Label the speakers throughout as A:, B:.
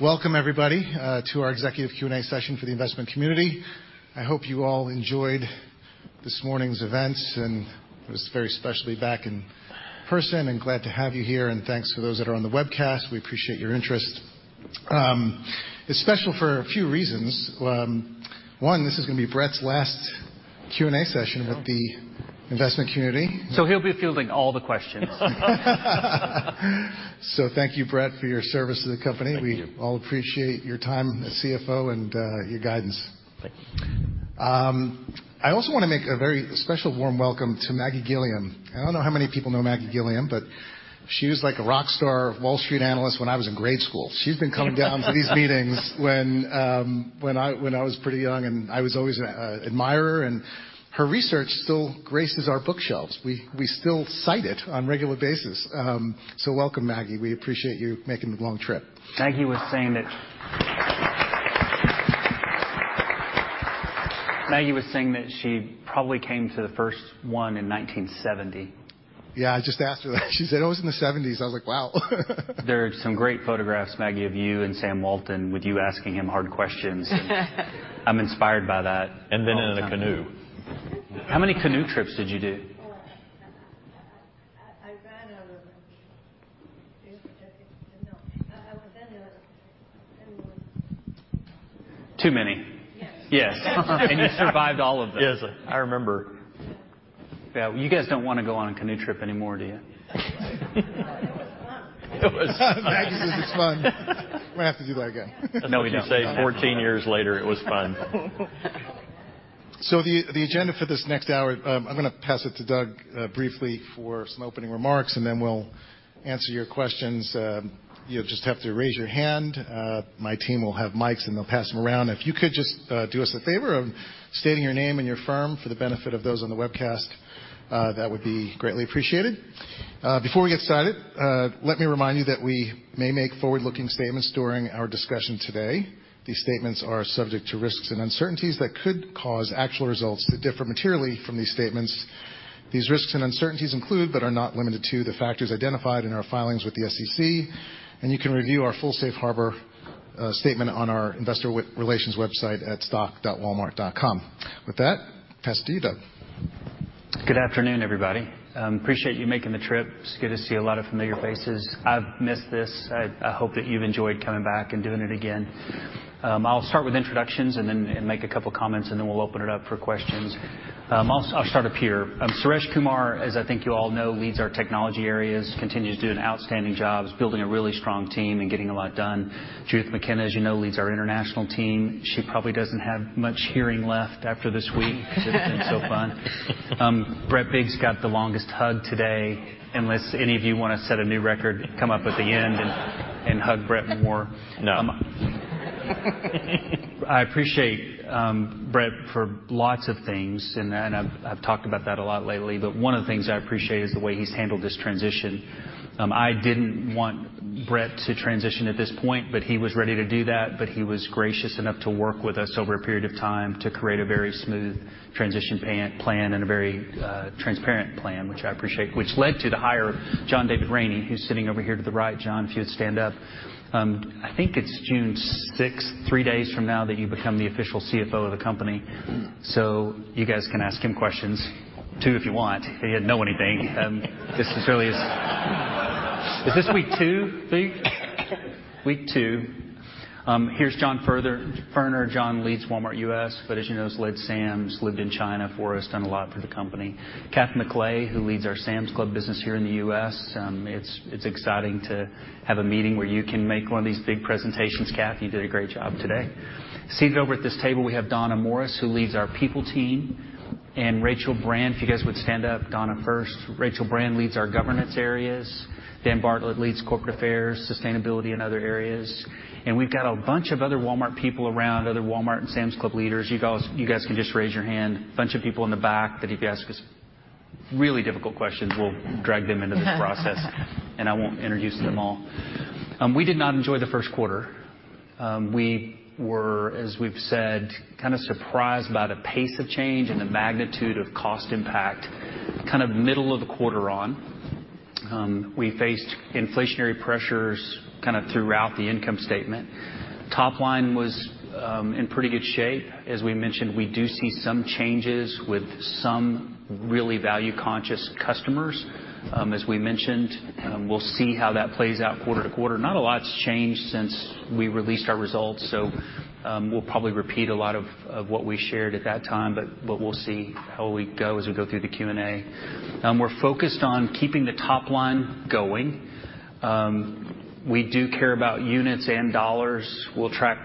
A: Welcome everybody to our executive Q&A session for the investment community. I hope you all enjoyed this morning's events, and it was very special to be back in person and glad to have you here. Thanks to those that are on the webcast. We appreciate your interest. It's special for a few reasons. One, this is gonna be Brett's last Q&A session.
B: Wow.
A: with the investment community.
C: He'll be fielding all the questions.
A: Thank you, Brett, for your service to the company.
B: Thank you.
A: We all appreciate your time as CFO and your guidance.
B: Thank you.
A: I also wanna make a very special warm welcome to Maggie Gilliam. I don't know how many people know Maggie Gilliam, but she was like a rock star Wall Street analyst when I was in grade school. She's been coming down to these meetings when I was pretty young, and I was always an admirer. Her research still graces our bookshelves. We still cite it on a regular basis. So welcome, Maggie. We appreciate you making the long trip.
C: Maggie was saying that she probably came to the first one in 1970.
A: Yeah, I just asked her that. She said it was in the seventies. I was like, "Wow.
C: There are some great photographs, Maggie, of you and Sam Walton, with you asking him hard questions. I'm inspired by that all the time. In a canoe. How many canoe trips did you do?
D: Oh, I ran out of them. I've been to 10 more.
C: Too many.
D: Yes.
C: Yes.
D: Yes.
C: You survived all of them. Yes, I remember. Yeah. You guys don't wanna go on a canoe trip anymore, do you?
D: It was fun.
A: Maggie says it's fun. We're gonna have to do that again.
D: I know we can say 14 years later, it was fun.
A: The agenda for this next hour, I'm gonna pass it to Doug briefly for some opening remarks, and then we'll answer your questions. You'll just have to raise your hand. My team will have mics, and they'll pass them around. If you could just do us a favor of stating your name and your firm for the benefit of those on the webcast, that would be greatly appreciated. Before we get started, let me remind you that we may make forward-looking statements during our discussion today. These statements are subject to risks and uncertainties that could cause actual results to differ materially from these statements. These risks and uncertainties include, but are not limited to, the factors identified in our filings with the SEC, and you can review our full safe harbor statement on our investor relations website at stock.walmart.com. With that, pass it to you, Doug.
C: Good afternoon, everybody. Appreciate you making the trip. It's good to see a lot of familiar faces. I've missed this. I hope that you've enjoyed coming back and doing it again. I'll start with introductions and make a couple comments, and then we'll open it up for questions. I'll start up here. Suresh Kumar, as I think you all know, leads our technology areas, continues to do an outstanding job, is building a really strong team and getting a lot done. Judith McKenna, as you know, leads our international team. She probably doesn't have much hearing left after this week because it's been so fun. Brett Biggs got the longest hug today, unless any of you wanna set a new record, come up at the end and hug Brett more.
B: No.
C: I appreciate Brett for lots of things, and I've talked about that a lot lately. One of the things I appreciate is the way he's handled this transition. I didn't want Brett to transition at this point, but he was ready to do that. He was gracious enough to work with us over a period of time to create a very smooth transition plan and a very transparent plan, which I appreciate, which led to the hire of John David Rainey, who's sitting over here to the right. John, if you would stand up. I think it's June sixth, three days from now, that you become the official CFO of the company. You guys can ask him questions, too, if you want. He doesn't know anything. Is this week two, I think? Week two. Here's John Furner. John leads Walmart U.S., but as you know, has led Sam's, lived in China for us, done a lot for the company. Kathryn McLay, who leads our Sam's Club business here in the U.S. It's exciting to have a meeting where you can make one of these big presentations, Kath. You did a great job today. Seated over at this table, we have Donna Morris, who leads our people team, and Rachel Brand, if you guys would stand up. Donna first. Rachel Brand leads our governance areas. Dan Bartlett leads corporate affairs, sustainability, and other areas. We've got a bunch of other Walmart people around, other Walmart and Sam's Club leaders. You guys can just raise your hand. A bunch of people in the back that if you ask us really difficult questions, we'll drag them into this process. I won't introduce them all. We did not enjoy the first quarter. We were, as we've said, kinda surprised by the pace of change and the magnitude of cost impact, kind of middle of the quarter on. We faced inflationary pressures kinda throughout the income statement. Top line was in pretty good shape. As we mentioned, we do see some changes with some really value-conscious customers, as we mentioned. We'll see how that plays out quarter to quarter. Not a lot's changed since we released our results, so we'll probably repeat a lot of what we shared at that time. But we'll see how we go as we go through the Q&A. We're focused on keeping the top line going. We do care about units and dollars. We'll track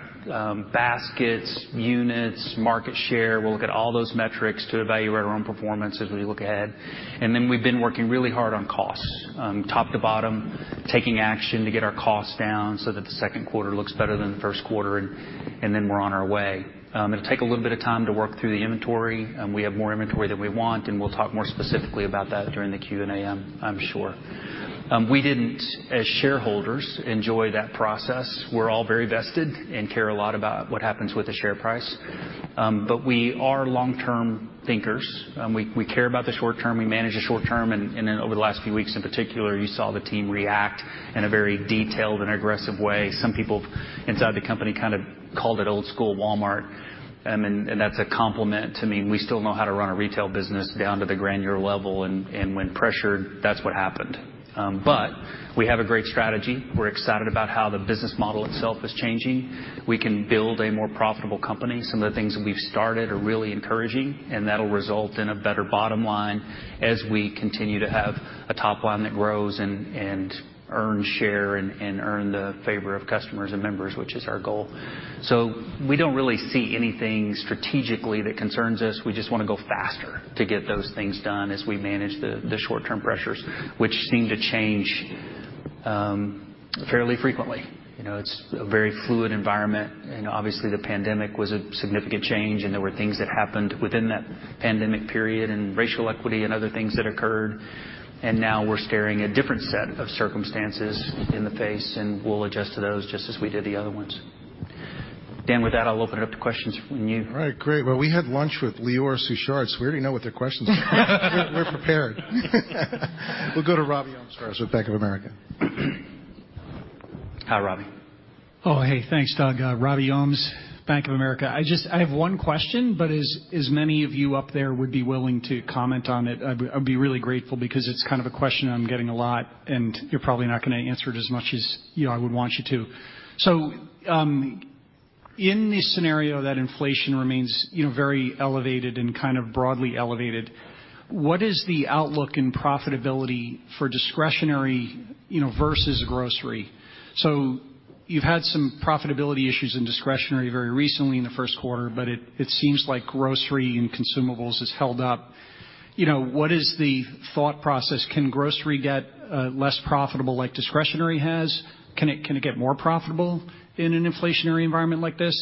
C: baskets, units, market share. We'll look at all those metrics to evaluate our own performance as we look ahead. We've been working really hard on costs, top to bottom, taking action to get our costs down so that the second quarter looks better than the first quarter, and then we're on our way. It'll take a little bit of time to work through the inventory. We have more inventory than we want, and we'll talk more specifically about that during the Q&A, I'm sure. We didn't, as shareholders, enjoy that process. We're all very vested and care a lot about what happens with the share price. We are long-term thinkers. We care about the short term, we manage the short term, and then over the last few weeks in particular, you saw the team react in a very detailed and aggressive way. Some people inside the company kind of called it old school Walmart. And that's a compliment to me we still know how to run a retail business down to the granular level, and when pressured, that's what happened. We have a great strategy. We're excited about how the business model itself is changing. We can build a more profitable company. Some of the things that we've started are really encouraging, and that'll result in a better bottom line as we continue to have a top line that grows and earn share and earn the favor of customers and members, which is our goal. We don't really see anything strategically that concerns us. We just wanna go faster to get those things done as we manage the short-term pressures which seem to change, fairly frequently. You know, it's a very fluid environment, and obviously, the pandemic was a significant change, and there were things that happened within that pandemic period and racial equity and other things that occurred. Now we're staring a different set of circumstances in the face, and we'll adjust to those just as we did the other ones. Dan, with that, I'll open it up to questions from you.
A: All right. Great. Well, we had lunch with Lior Susskind, so we already know what their questions are. We're prepared. We'll go to Robert Ohmes first with Bank of America.
C: Hi, Robbie.
E: Oh, hey. Thanks, Doug. Robert Ohmes, Bank of America. I have one question, but as many of you up there would be willing to comment on it, I'd be really grateful because it's kind of a question I'm getting a lot, and you're probably not gonna answer it as much as you know I would want you to. In the scenario that inflation remains you know very elevated and kind of broadly elevated, what is the outlook and profitability for discretionary you know versus grocery? You've had some profitability issues in discretionary very recently in the first quarter, but it seems like grocery and consumables has held up. You know, what is the thought process? Can grocery get less profitable like discretionary has? Can it get more profitable in an inflationary environment like this?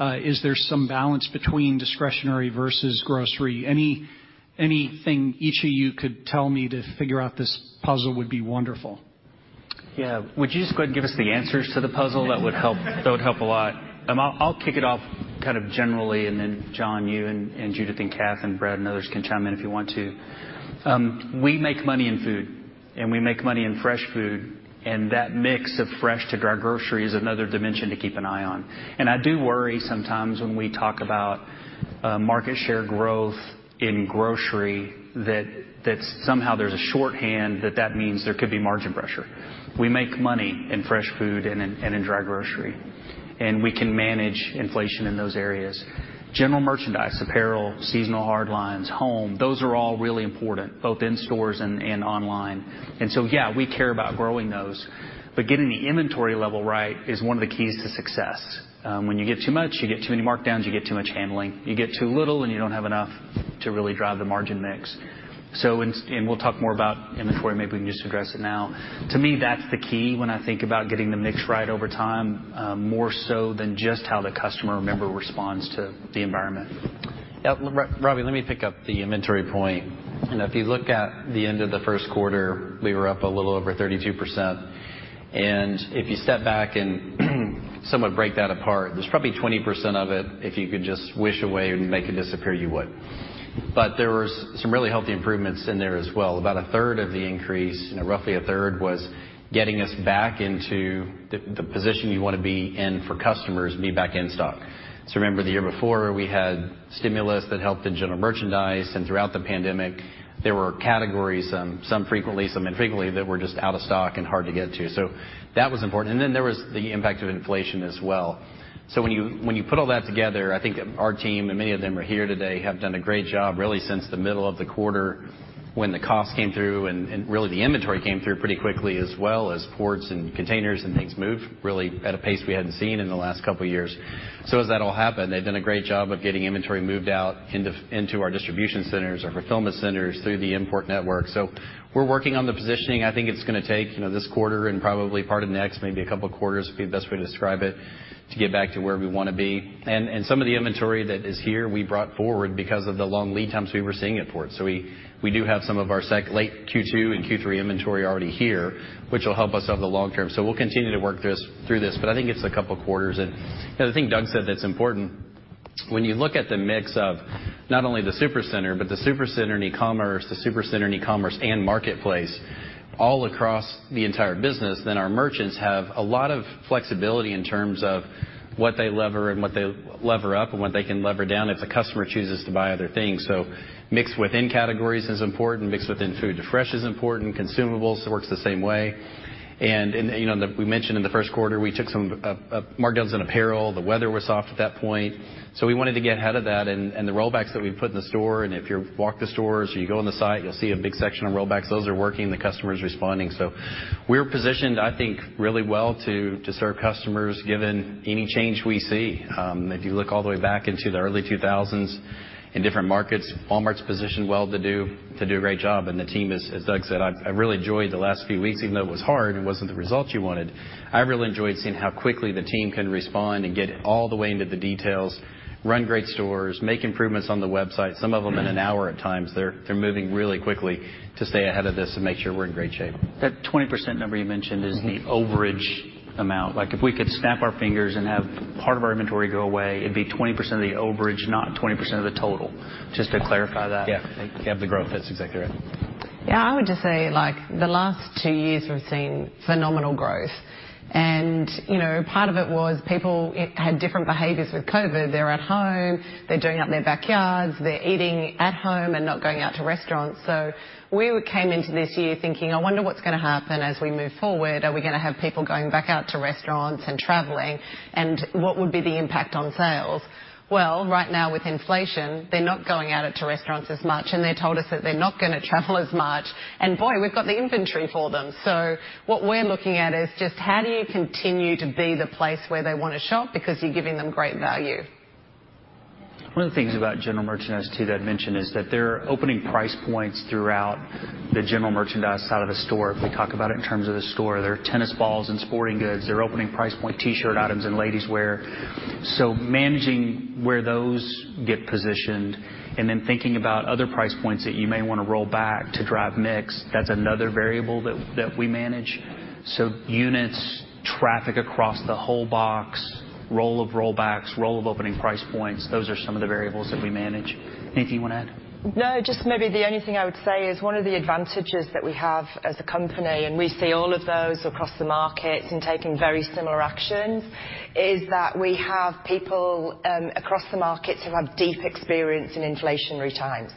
E: Is there some balance between discretionary versus grocery? Anything each of you could tell me to figure out this puzzle would be wonderful.
C: Yeah. Would you just go and give us the answers to the puzzle? That would help a lot. I'll kick it off kind of generally, and then, John, you and Judith and Kath and Brett and others can chime in if you want to. We make money in food, and we make money in fresh food, and that mix of fresh to dry grocery is another dimension to keep an eye on. I do worry sometimes when we talk about market share growth in grocery that somehow there's a shorthand that that means there could be margin pressure. We make money in fresh food and in dry grocery. We can manage inflation in those areas. General merchandise, apparel, seasonal hard lines, home, those are all really important, both in stores and online. Yeah, we care about growing those. Getting the inventory level right is one of the keys to success. When you get too much, you get too many markdowns, you get too much handling. You get too little, and you don't have enough to really drive the margin mix. We'll talk more about inventory. Maybe we can just address it now. To me, that's the key when I think about getting the mix right over time, more so than just how the customer member responds to the environment.
F: Yeah. Robbie, let me pick up the inventory point. You know, if you look at the end of the first quarter, we were up a little over 32%. If you step back and somewhat break that apart, there's probably 20% of it, if you could just wish away and make it disappear, you would. There was some really healthy improvements in there as well. About a third of the increase, you know, roughly a third was getting us back into the position you wanna be in for customers, be back in stock. Remember the year before, we had stimulus that helped in general merchandise. Throughout the pandemic, there were categories, some frequently, some infrequently, that were just out of stock and hard to get to. That was important. Then there was the impact of inflation as well. When you put all that together, I think our team, and many of them are here today, have done a great job really since the middle of the quarter when the cost came through and really the inventory came through pretty quickly as well as ports and containers and things moved really at a pace we hadn't seen in the last couple years. As that all happened, they've done a great job of getting inventory moved out into our distribution centers, our fulfillment centers through the import network. We're working on the positioning. I think it's gonna take, you know, this quarter and probably part of next, maybe a couple quarters, would be the best way to describe it, to get back to where we wanna be. Some of the inventory that is here, we brought forward because of the long lead times we were seeing at port. We do have some of our late Q2 and Q3 inventory already here, which will help us over the long term. We'll continue to work through this, but I think it's a couple quarters. The thing Doug said that's important, when you look at the mix of not only the supercenter, but the supercenter and e-commerce, the supercenter and e-commerce and marketplace all across the entire business, then our merchants have a lot of flexibility in terms of what they leverage and what they leverage up and what they can leverage down if the customer chooses to buy other things. Mix within categories is important. Mix within food to fresh is important. Consumables works the same way. You know, we mentioned in the first quarter, we took some markdowns in apparel. The weather was soft at that point. We wanted to get ahead of that. The rollbacks that we put in the store, and if you walk the stores or you go on the site, you'll see a big section of rollbacks. Those are working. The customer is responding. We're positioned, I think, really well to serve customers given any change we see. If you look all the way back into the early 2000s in different markets, Walmart's positioned well to do a great job. The team is, as Doug said, I really enjoyed the last few weeks, even though it was hard and wasn't the results you wanted. I really enjoyed seeing how quickly the team can respond and get all the way into the details, run great stores, make improvements on the website. Some of them in an hour at times. They're moving really quickly to stay ahead of this and make sure we're in great shape.
E: That 20% number you mentioned. This is the overage amount. Like, if we could snap our fingers and have part of our inventory go away, it'd be 20% of the overage, not 20% of the total. Just to clarify that. Thank you.
B: Yeah, the growth. That's exactly right.
G: Yeah. I would just say, like, the last two years we've seen phenomenal growth. You know, part of it was people had different behaviors with COVID. They're at home. They're doing up their backyards. They're eating at home and not going out to restaurants. We came into this year thinking, "I wonder what's gonna happen as we move forward. Are we gonna have people going back out to restaurants and traveling, and what would be the impact on sales?" Well, right now with inflation, they're not going out into restaurants as much, and they told us that they're not gonna travel as much. Boy, we've got the inventory for them. What we're looking at is just how do you continue to be the place where they wanna shop because you're giving them great value?
C: One of the things about general merchandise too that I mentioned is that there are opening price points throughout the general merchandise side of the store. If we talk about it in terms of the store, there are tennis balls and sporting goods. There are opening price point T-shirt items in ladies' wear. Managing where those get positioned and then thinking about other price points that you may wanna roll back to drive mix, that's another variable that we manage. Units, traffic across the whole box, rollout of rollbacks, rollout of opening price points, those are some of the variables that we manage. Anything you wanna add?
G: No, just maybe the only thing I would say is one of the advantages that we have as a company, and we see all of those across the markets in taking very similar actions, is that we have people across the markets who have deep experience in inflationary times.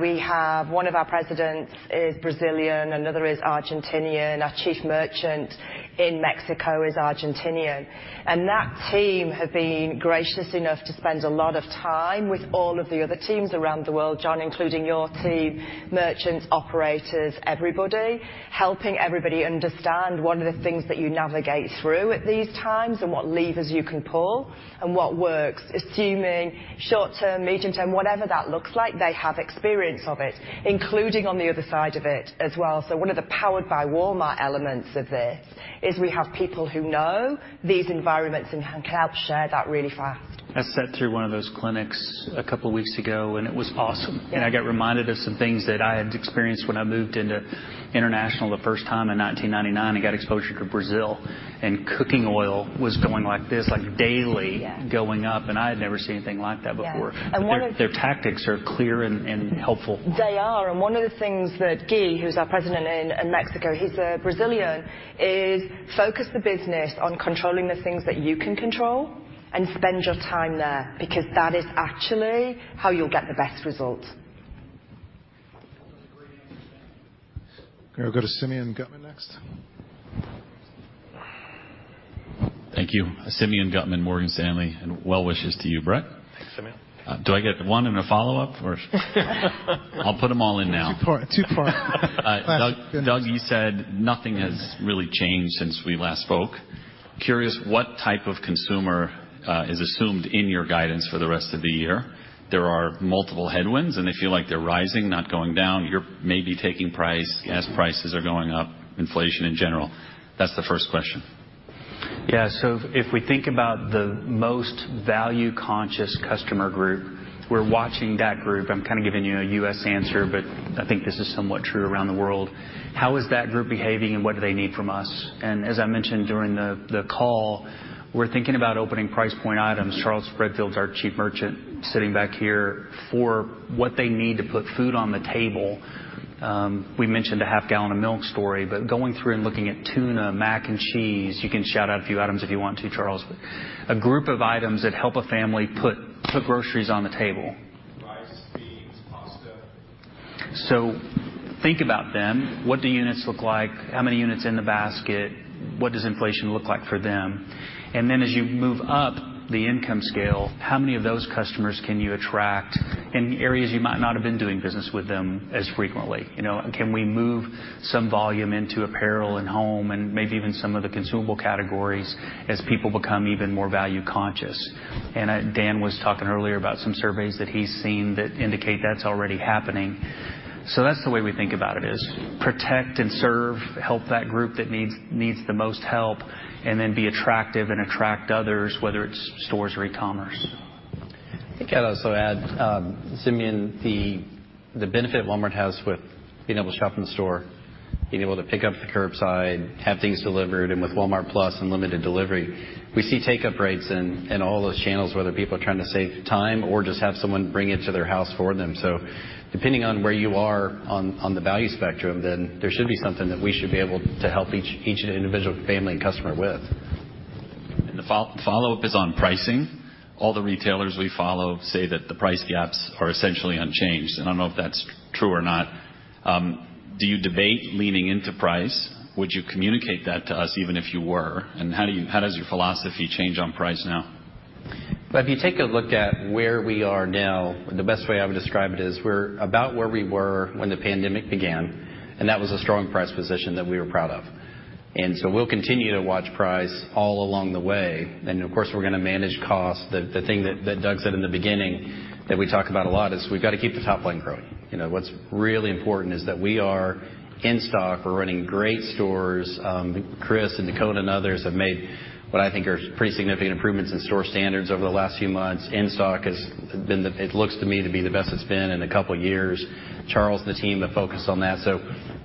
G: We have one of our presidents is Brazilian, another is Argentinian. Our chief merchant in Mexico is Argentinian. That team have been gracious enough to spend a lot of time with all of the other teams around the world, John, including your team, merchants, operators, everybody, helping everybody understand what are the things that you navigate through at these times and what levers you can pull and what works. Assuming short-term, medium-term, whatever that looks like, they have experience of it, including on the other side of it as well. One of the powered by Walmart elements of this is we have people who know these environments and can help share that really fast.
C: I sat through one of those clinics a couple weeks ago, and it was awesome. I got reminded of some things that I had experienced when I moved into international the first time in 1999 and got exposure to Brazil. Cooking oil was going like this, like daily going up, and I had never seen anything like that before.
G: Yeah.
C: Their tactics are clear and helpful.
G: They are. One of the things that Gui, who's our president in Mexico, he's a Brazilian, is focus the business on controlling the things that you can control and spend your time there because that is actually how you'll get the best results.
A: We'll go to Simeon Gutman next.
H: Thank you. Simeon Gutman, Morgan Stanley, and well wishes to you, Brett Biggs.
B: Thanks, Simeon.
H: Do I get one and a follow-up or I'll put them all in now?
A: Too far.
H: Doug, you said nothing has really changed since we last spoke. Curious what type of consumer is assumed in your guidance for the rest of the year. There are multiple headwinds, and they feel like they're rising, not going down. You're maybe taking price as prices are going up, inflation in general. That's the first question.
C: Yeah. If we think about the most value-conscious customer group, we're watching that group. I'm kind of giving you a U.S. answer, but I think this is somewhat true around the world. How is that group behaving and what do they need from us? As I mentioned during the call, we're thinking about opening price point items. Charles Redfield's our Chief Merchant sitting back here for what they need to put food on the table. We mentioned the half gallon of milk story, but going through and looking at tuna, mac and cheese. You can shout out a few items if you want to, Charles. A group of items that help a family put groceries on the table.
I: Rice, beans, pasta.
C: Think about them. What do units look like? How many units in the basket? What does inflation look like for them? Then as you move up the income scale, how many of those customers can you attract in areas you might not have been doing business with them as frequently? You know, can we move some volume into apparel and home and maybe even some of the consumable categories as people become even more value conscious. Dan was talking earlier about some surveys that he's seen that indicate that's already happening. That's the way we think about it is protect and serve, help that group that needs the most help, and then be attractive and attract others, whether it's stores or e-commerce.
F: I think I'd also add, Simeon, the benefit Walmart has with being able to shop in store, being able to pick up the curbside, have things delivered, and with Walmart+ unlimited delivery, we see take up rates in all those channels, whether people are trying to save time or just have someone bring it to their house for them. Depending on where you are on the value spectrum, there should be something that we should be able to help each individual family and customer with.
H: The follow-up is on pricing. All the retailers we follow say that the price gaps are essentially unchanged. I don't know if that's true or not. Do you debate leaning into price? Would you communicate that to us even if you were? How does your philosophy change on price now?
F: If you take a look at where we are now, the best way I would describe it is we're about where we were when the pandemic began, and that was a strong price position that we were proud of. We'll continue to watch price all along the way. Of course, we're gonna manage costs. The thing that Doug said in the beginning that we talk about a lot is we've got to keep the top line growing. You know, what's really important is that we are in stock. We're running great stores. Chris and Dacona and others have made what I think are pretty significant improvements in store standards over the last few months. In-stock has been. It looks to me to be the best it's been in a couple of years. Charles and the team have focused on that. You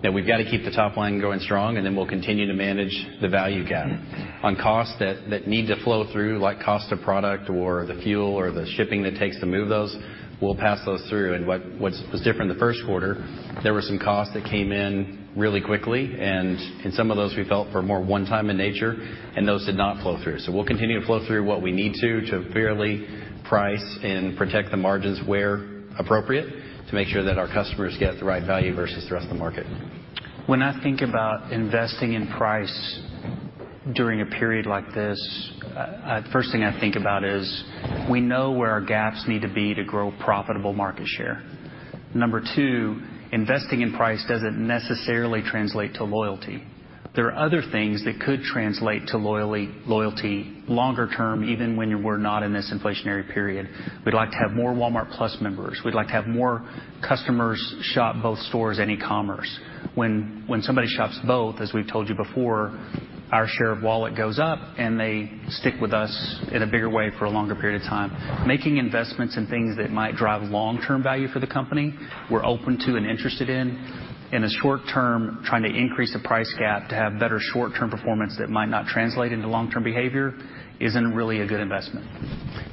F: know, we've got to keep the top line going strong, and then we'll continue to manage the value gap. On costs that need to flow through, like cost of product or the fuel or the shipping that takes to move those, we'll pass those through. What's different in the first quarter, there were some costs that came in really quickly, and in some of those, we felt were more one-time in nature, and those did not flow through. We'll continue to flow through what we need to fairly price and protect the margins where appropriate to make sure that our customers get the right value versus the rest of the market.
C: When I think about investing in price during a period like this, first thing I think about is we know where our gaps need to be to grow profitable market share. Number two, investing in price doesn't necessarily translate to loyalty. There are other things that could translate to loyalty longer term, even when you were not in this inflationary period. We'd like to have more Walmart+ members. We'd like to have more customers shop both stores and e-commerce. When somebody shops both, as we've told you before, our share of wallet goes up, and they stick with us in a bigger way for a longer period of time. Making investments in things that might drive long-term value for the company, we're open to and interested in. In the short term, trying to increase the price gap to have better short-term performance that might not translate into long-term behavior isn't really a good investment.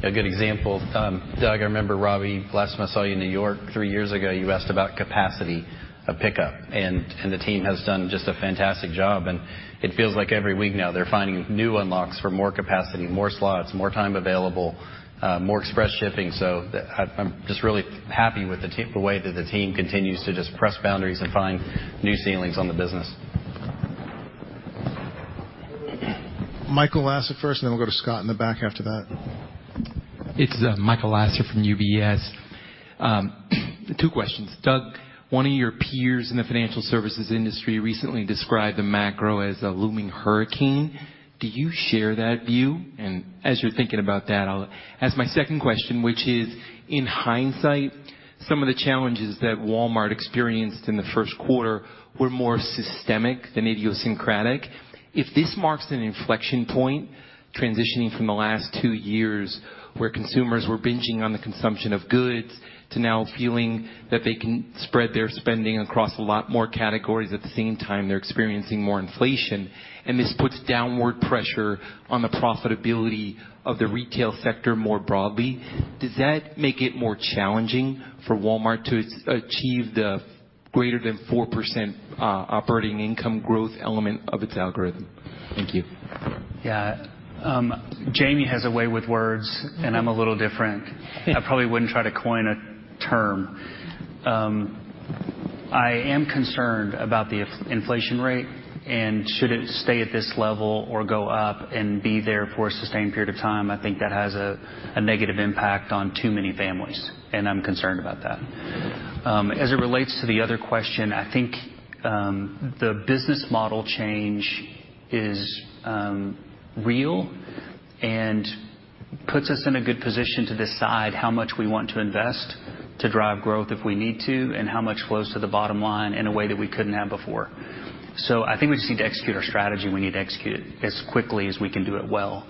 F: A good example, Doug, I remember, Robbie, last time I saw you in New York three years ago, you asked about capacity of pickup, and the team has done just a fantastic job. It feels like every week now they're finding new unlocks for more capacity, more slots, more time available, more express shipping. I'm just really happy with the team, the way that the team continues to just press boundaries and find new ceilings on the business.
A: Michael Lasser first, and then we'll go to Scott in the back after that.
J: It's Michael Lasser from UBS. Two questions. Doug, one of your peers in the financial services industry recently described the macro as a looming hurricane. Do you share that view? As you're thinking about that, I'll ask my second question, which is, in hindsight, some of the challenges that Walmart experienced in the first quarter were more systemic than idiosyncratic. If this marks an inflection point, transitioning from the last two years, where consumers were binging on the consumption of goods, to now feeling that they can spread their spending across a lot more categories. At the same time, they're experiencing more inflation, and this puts downward pressure on the profitability of the retail sector more broadly. Does that make it more challenging for Walmart to achieve the greater than 4% operating income growth element of its algorithm? Thank you.
C: Yeah. Jamie has a way with words, and I'm a little different. I probably wouldn't try to coin a term. I am concerned about the inflation rate, and should it stay at this level or go up and be there for a sustained period of time, I think that has a negative impact on too many families, and I'm concerned about that. As it relates to the other question, I think the business model change is real and puts us in a good position to decide how much we want to invest to drive growth if we need to and how much flows to the bottom line in a way that we couldn't have before. I think we just need to execute our strategy. We need to execute it as quickly as we can do it well,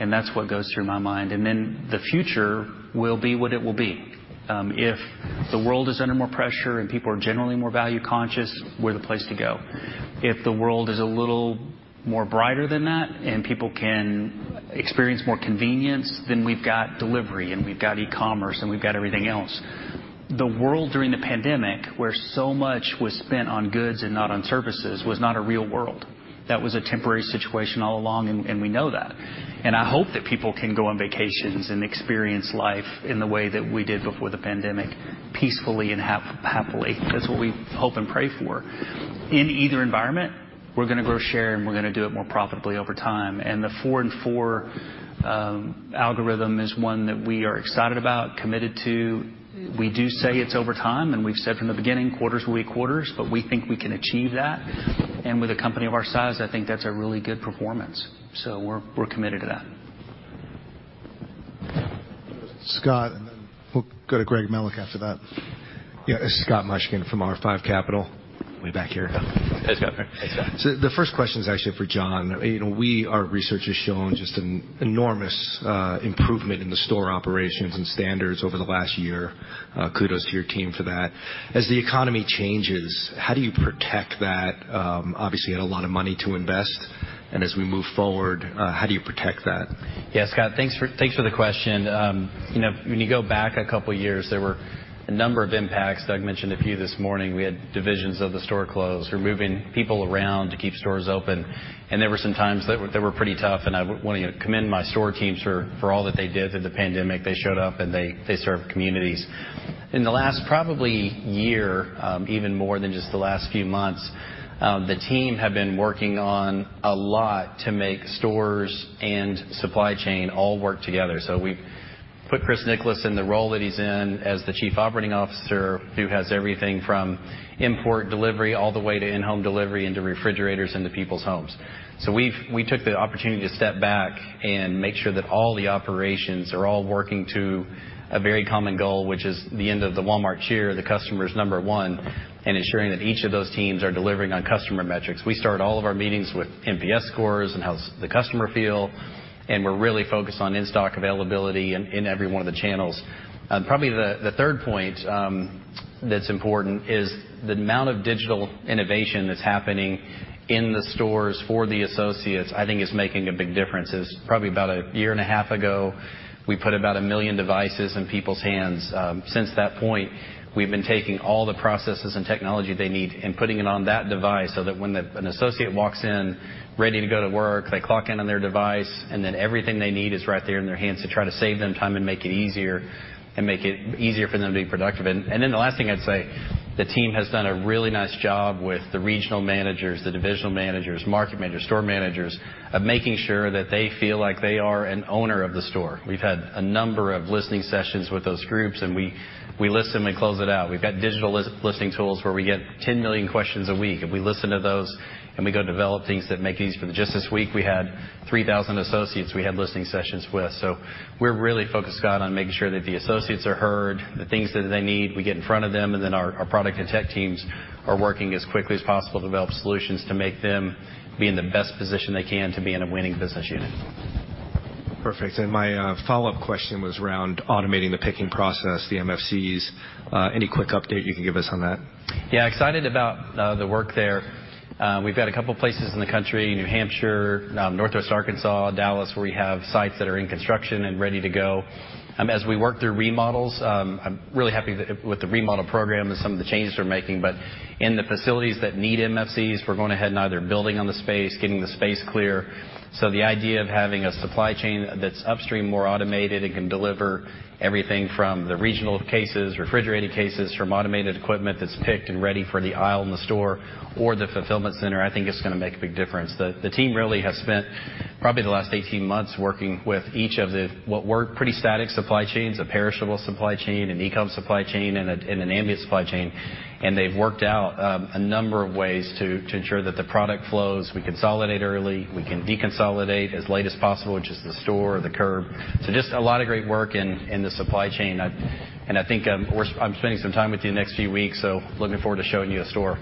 C: and that's what goes through my mind. Then the future will be what it will be. If the world is under more pressure and people are generally more value-conscious, we're the place to go. If the world is a little more brighter than that, and people can experience more convenience, then we've got delivery, and we've got e-commerce, and we've got everything else. The world during the pandemic, where so much was spent on goods and not on services, was not a real world. That was a temporary situation all along, and we know that. I hope that people can go on vacations and experience life in the way that we did before the pandemic, peacefully and happily. That's what we hope and pray for. In either environment, we're gonna grow share, and we're gonna do it more profitably over time. The four-in-four algorithm is one that we are excited about, committed to. We do say it's over time, and we've said from the beginning, quarters will be quarters, but we think we can achieve that. With a company of our size, I think that's a really good performance. We're committed to that.
A: Scott, we'll go to Greg Melich after that. Yeah.
K: This is Scott Mushkin from R5 Capital. Way back here.
C: Hey, Scott.
K: The first question is actually for John. Our research has shown just an enormous improvement in the store operations and standards over the last year. Kudos to your team for that. As the economy changes, how do you protect that? Obviously, you had a lot of money to invest. As we move forward, how do you protect that?
F: Yeah, Scott, thanks for the question. You know, when you go back a couple years, there were a number of impacts. Doug mentioned a few this morning. We had divisions of the store close. We're moving people around to keep stores open. There were some times that were pretty tough, and I wanna commend my store teams for all that they did through the pandemic. They showed up, and they served communities. In the last probably year, even more than just the last few months, the team have been working on a lot to make stores and supply chain all work together. We put Chris Nicholas in the role that he's in as the chief operating officer who has everything from import delivery all the way to in-home delivery into refrigerators into people's homes. We took the opportunity to step back and make sure that all the operations are working to a very common goal, which is the end of the Walmart cheer, the customer is number one, and ensuring that each of those teams are delivering on customer metrics. We start all of our meetings with NPS scores and how's the customer feel, and we're really focused on in-stock availability in every one of the channels. Probably the third point that's important is the amount of digital innovation that's happening in the stores for the associates, I think, is making a big difference. It's probably about a year and a half ago, we put about 1 million devices in people's hands. Since that point, we've been taking all the processes and technology they need and putting it on that device so that when an associate walks in ready to go to work, they clock in on their device, and then everything they need is right there in their hands to try to save them time and make it easier for them to be productive. The last thing I'd say, the team has done a really nice job with the regional managers, the divisional managers, market managers, store managers of making sure that they feel like they are an owner of the store. We've had a number of listening sessions with those groups, and we listen, we close it out. We've got digital listening tools where we get 10 million questions a week, and we listen to those, and we go develop things that make it easy for them. Just this week, we had 3,000 associates we had listening sessions with. We're really focused, Scott, on making sure that the associates are heard, the things that they need, we get in front of them, and then our product and tech teams are working as quickly as possible to develop solutions to make them be in the best position they can to be in a winning business unit. Perfect. My follow-up question was around automating the picking process, the MFCs. Any quick update you can give us on that? Yeah. Excited about the work there.
K: We've got a couple places in the country, New Hampshire, Northwest Arkansas, Dallas, where we have sites that are in construction and ready to go. As we work through remodels, I'm really happy with the remodel program and some of the changes we're making. In the facilities that need MFCs, we're going ahead and either building on the space, getting the space clear. The idea of having a supply chain that's upstream, more automated, and can deliver everything from the regional cases, refrigerated cases from automated equipment that's picked and ready for the aisle in the store or the fulfillment center, I think it's gonna make a big difference.
F: The team really has spent probably the last 18 months working with each of the what were pretty static supply chains, a perishable supply chain, an eCom supply chain, and an ambient supply chain. They've worked out a number of ways to ensure that the product flows. We consolidate early. We can deconsolidate as late as possible, which is the store or the curb. Just a lot of great work in the supply chain. I think I'm spending some time with you the next few weeks, so looking forward to showing you a store.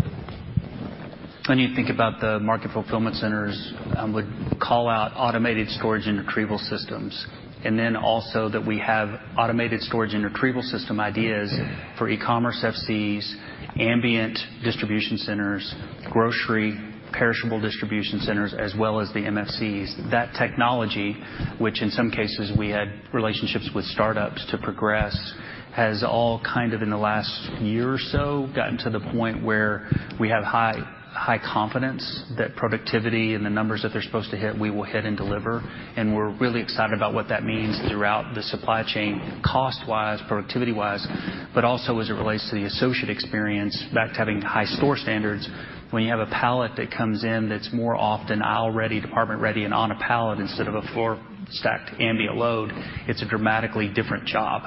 C: When you think about the market fulfillment centers, I would call out automated storage and retrieval systems, and then also that we have automated storage and retrieval system ideas for e-commerce FCs, ambient distribution centers, grocery perishable distribution centers, as well as the MFCs. That technology, which in some cases we had relationships with startups to progress, has all kind of, in the last year or so, gotten to the point where we have high, high confidence that productivity and the numbers that they're supposed to hit, we will hit and deliver. We're really excited about what that means throughout the supply chain, cost-wise, productivity-wise, but also as it relates to the associate experience, back to having high store standards. When you have a pallet that comes in that's more often aisle-ready, department-ready, and on a pallet instead of a floor-stacked ambient load, it's a dramatically different job,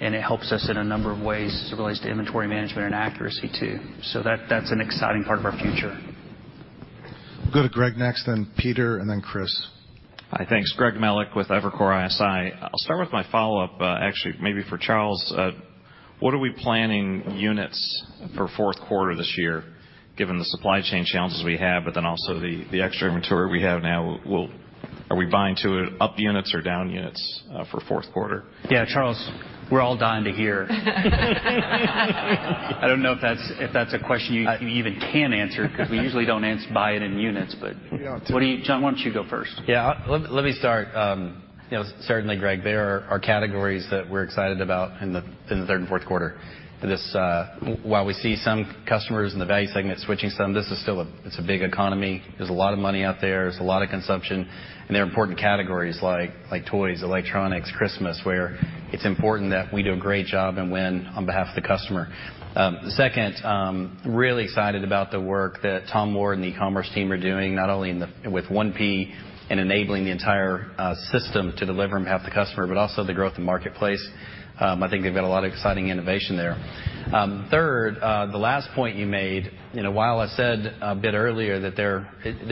C: and it helps us in a number of ways as it relates to inventory management and accuracy too. That, that's an exciting part of our future.
A: We'll go to Greg next, then Peter, and then Chris.
L: Hi. Thanks. Greg Melich with Evercore ISI. I'll start with my follow-up, actually maybe for Charles. What are we planning units for fourth quarter this year, given the supply chain challenges we have, but then also the extra inventory we have now? Are we buying to up units or down units for fourth quarter?
C: Yeah. Charles, we're all dying to hear.
I: I don't know if that's a question you even can answer because we usually don't answer by unit. What do you, John, why don't you go first?
F: Yeah. Let me start. You know, certainly, Greg, there are categories that we're excited about in the third and fourth quarter. While we see some customers in the value segment switching some, this is still a big economy. There's a lot of money out there. There's a lot of consumption, and there are important categories like toys, electronics, Christmas, where it's important that we do a great job and win on behalf of the customer. Second, really excited about the work that Tom Ward and the e-commerce team are doing, not only with 1P and enabling the entire system to deliver on behalf of the customer, but also the growth in marketplace. I think they've got a lot of exciting innovation there. Third, the last point you made, you know, while I said a bit earlier that there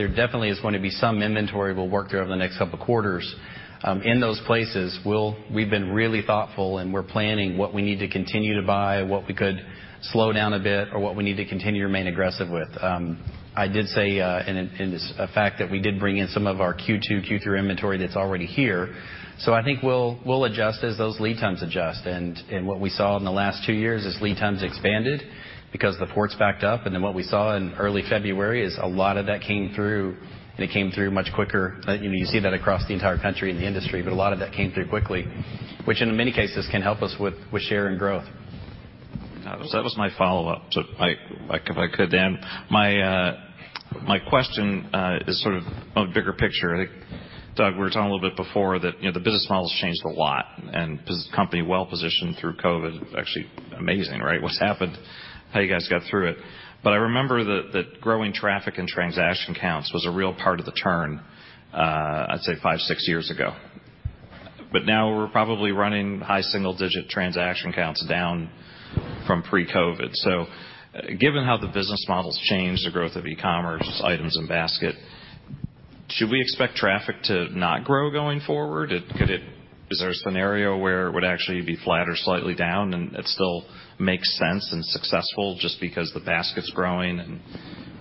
F: definitely is going to be some inventory we'll work through over the next couple quarters, in those places, we've been really thoughtful, and we're planning what we need to continue to buy, what we could slow down a bit, or what we need to continue to remain aggressive with. I did say, in fact that we did bring in some of our Q2, Q3 inventory that's already here. I think we'll adjust as those lead times adjust. What we saw in the last two years is lead times expanded because the ports backed up. What we saw in early February is a lot of that came through, and it came through much quicker. You know, you see that across the entire country and the industry, but a lot of that came through quickly, which in many cases can help us with share and growth.
L: That was my follow-up. If I could then. My question is sort of on bigger picture. I think, Doug, we were talking a little bit before that, you know, the business model's changed a lot, and this company well-positioned through COVID. Actually amazing, right, what's happened, how you guys got through it. I remember that growing traffic and transaction counts was a real part of the turn, I'd say five, six years ago. Now we're probably running high single-digit transaction counts down from pre-COVID. Given how the business model's changed, the growth of e-commerce, items in basket, should we expect traffic to not grow going forward? Is there a scenario where it would actually be flat or slightly down, and it still makes sense and successful just because the basket's growing and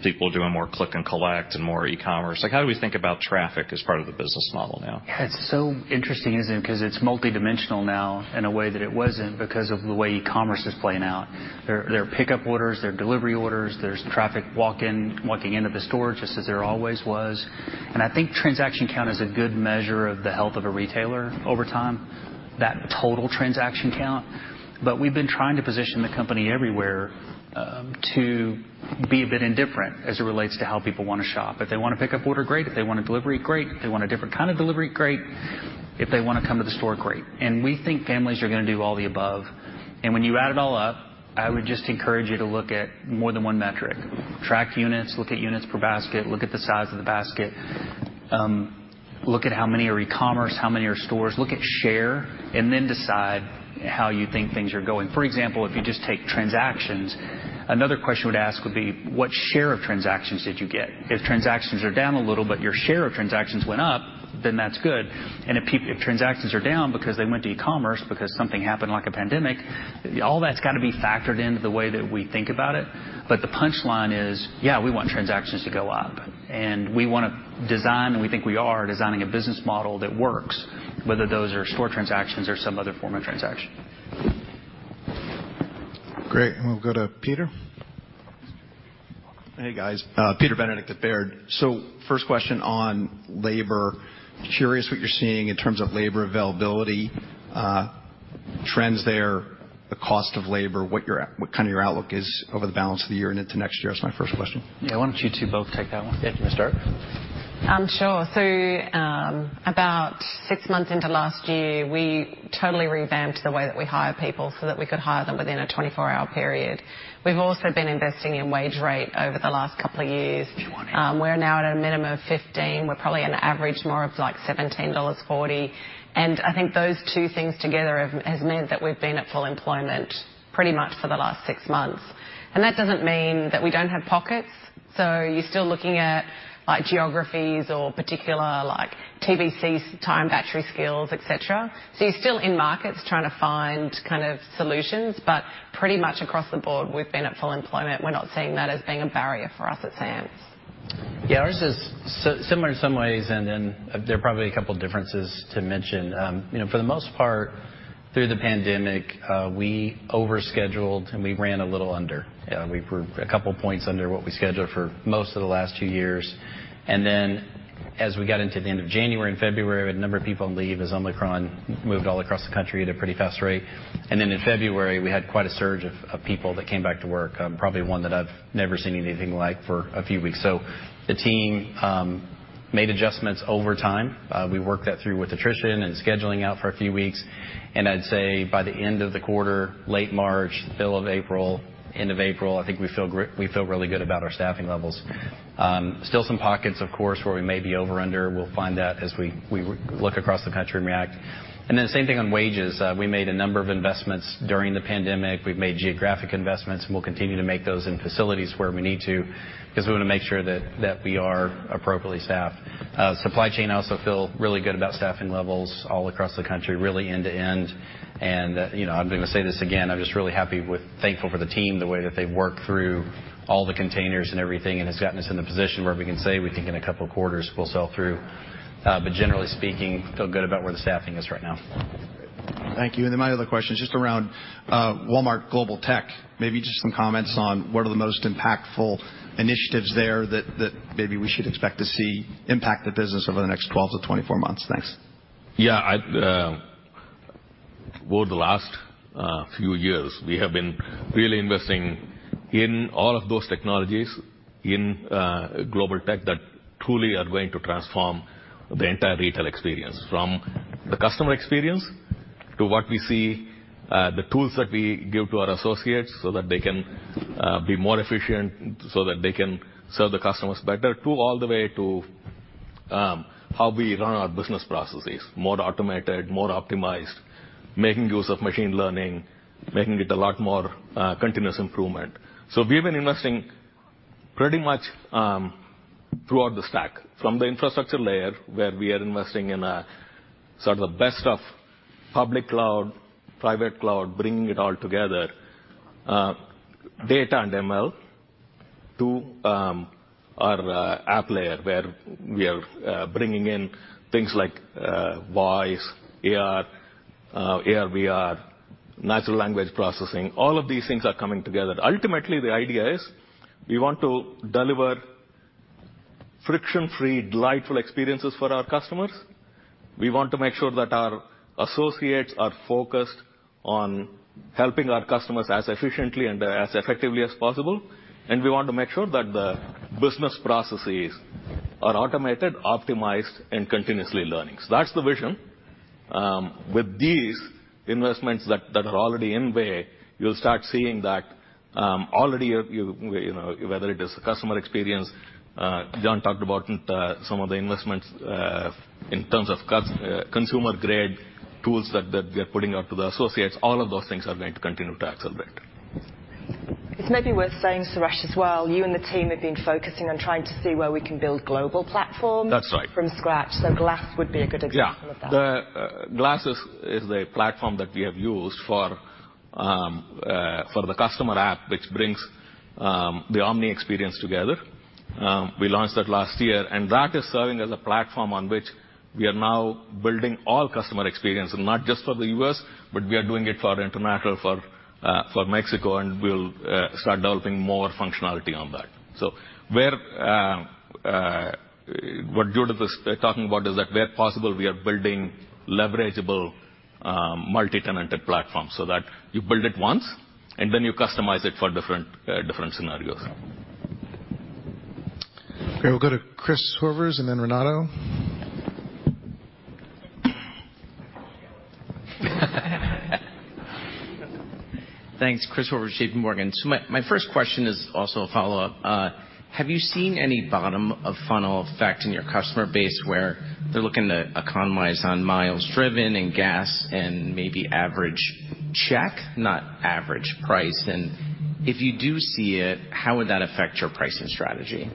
L: people doing more click and collect and more e-commerce? Like, how do we think about traffic as part of the business model now?
C: It's so interesting, isn't it? 'Cause it's multidimensional now in a way that it wasn't because of the way e-commerce is playing out. There are pickup orders, there are delivery orders, there's walk-in traffic walking into the store just as there always was. I think transaction count is a good measure of the health of a retailer over time, that total transaction count. We've been trying to position the company everywhere to be a bit indifferent as it relates to how people wanna shop. If they want a pickup order, great. If they want a delivery, great. If they want a different kind of delivery, great. If they wanna come to the store, great. We think families are gonna do all the above. When you add it all up, I would just encourage you to look at more than one metric. Track units, look at units per basket, look at the size of the basket, look at how many are e-commerce, how many are stores. Look at share and then decide how you think things are going. For example, if you just take transactions, another question I would ask would be, what share of transactions did you get? If transactions are down a little but your share of transactions went up, then that's good. If transactions are down because they went to e-commerce because something happened like a pandemic, all that's gotta be factored into the way that we think about it. The punchline is, yeah, we want transactions to go up. We wanna design, and we think we are designing a business model that works, whether those are store transactions or some other form of transaction.
A: Great. We'll go to Peter.
M: Hey, guys. Peter Benedict at Baird. First question on labor. Curious what you're seeing in terms of labor availability, trends there, the cost of labor, what kind of your outlook is over the balance of the year and into next year is my first question.
C: Yeah. Why don't you two both take that one?
F: Yeah. Do you wanna start?
N: Sure. About six months into last year, we totally revamped the way that we hire people so that we could hire them within a 24-hour period. We've also been investing in wage rate over the last couple of years. We're now at a minimum of $15. We're probably on average more of, like, $17.40. I think those two things together has meant that we've been at full employment pretty much for the last six months. That doesn't mean that we don't have pockets, so you're still looking at, like, geographies or particular, like, TVC, time, battery, skills, et cetera. You're still in markets trying to find kind of solutions, but pretty much across the board, we've been at full employment. We're not seeing that as being a barrier for us at Sam's.
F: Yeah, ours is similar in some ways, and then there are probably a couple differences to mention. You know, for the most part, through the pandemic, we overscheduled, and we ran a little under. We were a couple points under what we scheduled for most of the last two years. As we got into the end of January and February, we had a number of people on leave as Omicron moved all across the country at a pretty fast rate. In February, we had quite a surge of people that came back to work, probably one that I've never seen anything like for a few weeks. The team made adjustments over time. We worked that through with attrition and scheduling out for a few weeks. I'd say by the end of the quarter, late March, middle of April, end of April, I think we feel really good about our staffing levels. Still some pockets, of course, where we may be over, under. We'll find that as we look across the country and react. Same thing on wages. We made a number of investments during the pandemic. We've made geographic investments, and we'll continue to make those in facilities where we need to, 'cause we wanna make sure that we are appropriately staffed. Supply chain also feel really good about staffing levels all across the country, really end to end. You know, I'm gonna say this again, I'm just really thankful for the team, the way that they've worked through all the containers and everything and has gotten us in the position where we can say we think in a couple of quarters we'll sell through. Generally speaking, feel good about where the staffing is right now.
M: Thank you. My other question is just around Walmart Global Tech. Maybe just some comments on what are the most impactful initiatives there that maybe we should expect to see impact the business over the next 12-24 months. Thanks.
O: Yeah. I over the last few years, we have been really investing in all of those technologies in Global Tech that truly are going to transform the entire retail experience, from the customer experience to what we see the tools that we give to our associates so that they can be more efficient, so that they can serve the customers better, to all the way to how we run our business processes, more automated, more optimized, making use of machine learning, making it a lot more continuous improvement. We've been investing pretty much throughout the stack, from the infrastructure layer, where we are investing in sort of the best of public cloud, private cloud, bringing it all together, data and ML, to our app layer, where we are bringing in things like voice, AR/VR, natural language processing. All of these things are coming together. Ultimately, the idea is we want to deliver friction-free, delightful experiences for our customers. We want to make sure that our associates are focused on helping our customers as efficiently and as effectively as possible, and we want to make sure that the business processes are automated, optimized, and continuously learning. That's the vision. With these investments that are already underway, you'll start seeing that, already you're, you know, whether it is customer experience, John talked about in some of the investments in terms of consumer-grade tools that we are putting out to the associates. All of those things are going to continue to accelerate.
G: It's maybe worth saying, Suresh, as well, you and the team have been focusing on trying to see where we can build global platforms.
O: That's right.
G: From scratch. Glass would be a good example of that.
O: Yeah. The Glass is a platform that we have used for the customer app, which brings the omni experience together. We launched that last year, and that is serving as a platform on which we are now building all customer experience, and not just for the U.S., but we are doing it for international, for Mexico, and we'll start developing more functionality on that. What Judith is talking about is that where possible, we are building leverageable multi-tenanted platforms, so that you build it once, and then you customize it for different scenarios.
A: Okay. We'll go to Christopher Horvers and then Renato.
P: Thanks. Christopher Horvers, JPMorgan. My first question is also a follow-up. Have you seen any bottom of funnel effect in your customer base where they're looking to economize on miles driven and gas and maybe average check, not average price? If you do see it, how would that affect your pricing strategy?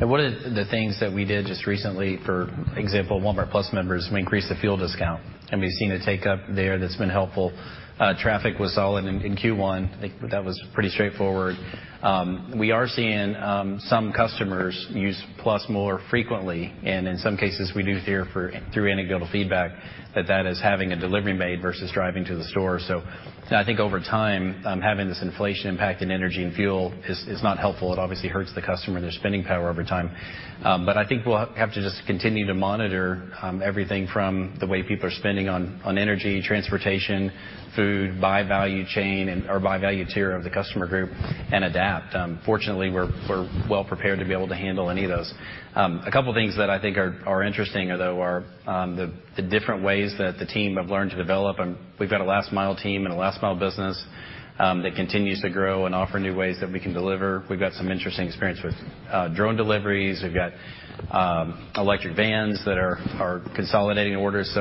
F: One of the things that we did just recently, for example, Walmart+ members, we increased the fuel discount, and we've seen a take-up there that's been helpful. Traffic was solid in Q1. I think that was pretty straightforward. We are seeing some customers use Walmart+ more frequently, and in some cases, we do hear through anecdotal feedback that that is having a delivery made versus driving to the store. I think over time, having this inflation impact in energy and fuel is not helpful. It obviously hurts the customer and their spending power over time. I think we'll have to just continue to monitor everything from the way people are spending on energy, transportation, food, by value chain or by value tier of the customer group, and adapt. Fortunately, we're well prepared to be able to handle any of those. A couple things that I think are interesting though are the different ways that the team have learned to develop. We've got a last mile team and a last mile business that continues to grow and offer new ways that we can deliver. We've got some interesting experience with drone deliveries. We've got electric vans that are consolidating orders.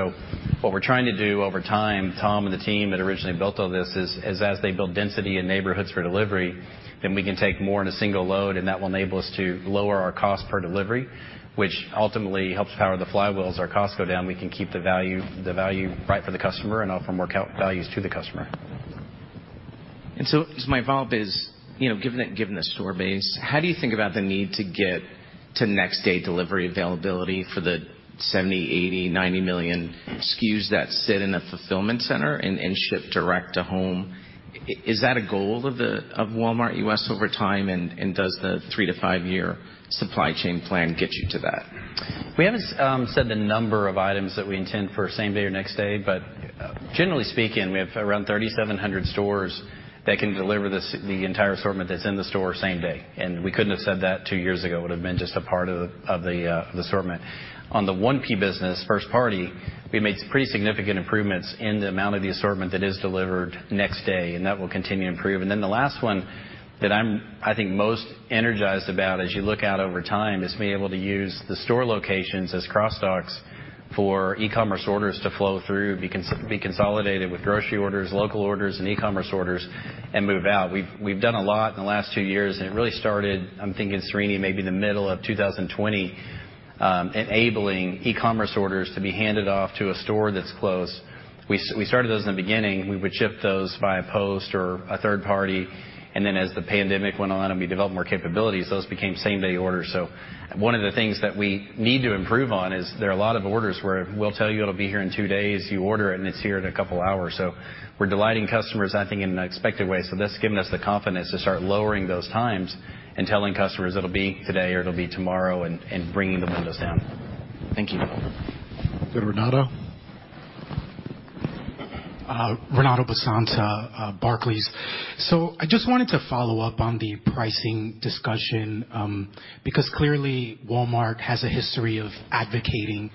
F: What we're trying to do over time, Tom and the team that originally built all this, is as they build density in neighborhoods for delivery, then we can take more in a single load, and that will enable us to lower our cost per delivery, which ultimately helps power the flywheels. Our costs go down, we can keep the value right for the customer and offer more values to the customer.
P: My follow-up is, you know, given the store base, how do you think about the need to get to next day delivery availability for the 70, 80, 90 million SKUs that sit in a fulfillment center and ship direct to home? Is that a goal of Walmart U.S. over time, and does the three to five year supply chain plan get you to that?
F: We haven't said the number of items that we intend for same day or next day, but generally speaking, we have around 3,700 stores that can deliver this, the entire assortment that's in the store same day. We couldn't have said that two years ago. It would've been just a part of the assortment. On the 1P business, first party, we made pretty significant improvements in the amount of the assortment that is delivered next day, and that will continue to improve. The last one that I'm, I think, most energized about as you look out over time is being able to use the store locations as cross docks for e-commerce orders to flow through, be consolidated with grocery orders, local orders, and e-commerce orders and move out. We've done a lot in the last two years, and it really started, I'm thinking, Srini, maybe in the middle of 2020, enabling e-commerce orders to be handed off to a store that's close. We started those in the beginning. We would ship those via post or a third party. Then as the pandemic went on and we developed more capabilities, those became same day orders. One of the things that we need to improve on is there are a lot of orders where we'll tell you it'll be here in two days, you order it, and it's here in a couple hours. We're delighting customers, I think, in an expected way. That's given us the confidence to start lowering those times and telling customers it'll be today or it'll be tomorrow and bringing the windows down.
P: Thank you.
A: Go to Renato.
Q: Renato Basanta, Barclays. I just wanted to follow up on the pricing discussion, because clearly Walmart has a history of advocating,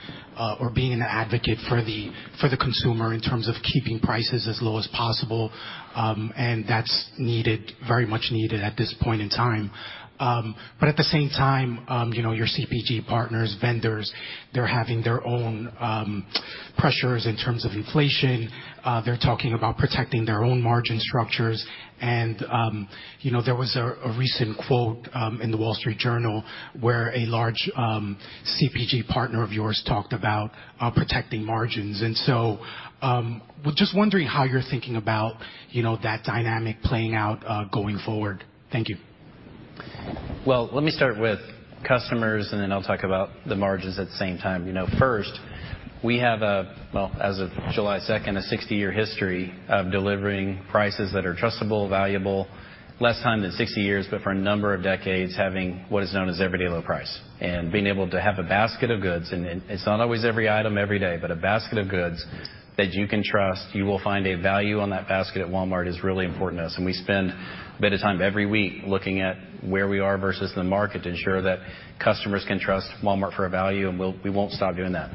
Q: or being an advocate for the consumer in terms of keeping prices as low as possible, and that's needed, very much needed at this point in time. But at the same time, you know, your CPG partners, vendors, they're having their own pressures in terms of inflation. They're talking about protecting their own margin structures. You know, there was a recent quote in The Wall Street Journal where a large CPG partner of yours talked about protecting margins. We're just wondering how you're thinking about, you know, that dynamic playing out, going forward. Thank you.
F: Well, let me start with customers, and then I'll talk about the margins at the same time. You know, first, we have a, well, as of July 2nd, a 60-year history of delivering prices that are trustable, valuable. Less time than 60 years, but for a number of decades, having what is known as every day low price. Being able to have a basket of goods, and it's not always every item every day, but a basket of goods that you can trust you will find a value on that basket at Walmart is really important to us. We spend a bit of time every week looking at where we are versus the market to ensure that customers can trust Walmart for a value, and we won't stop doing that.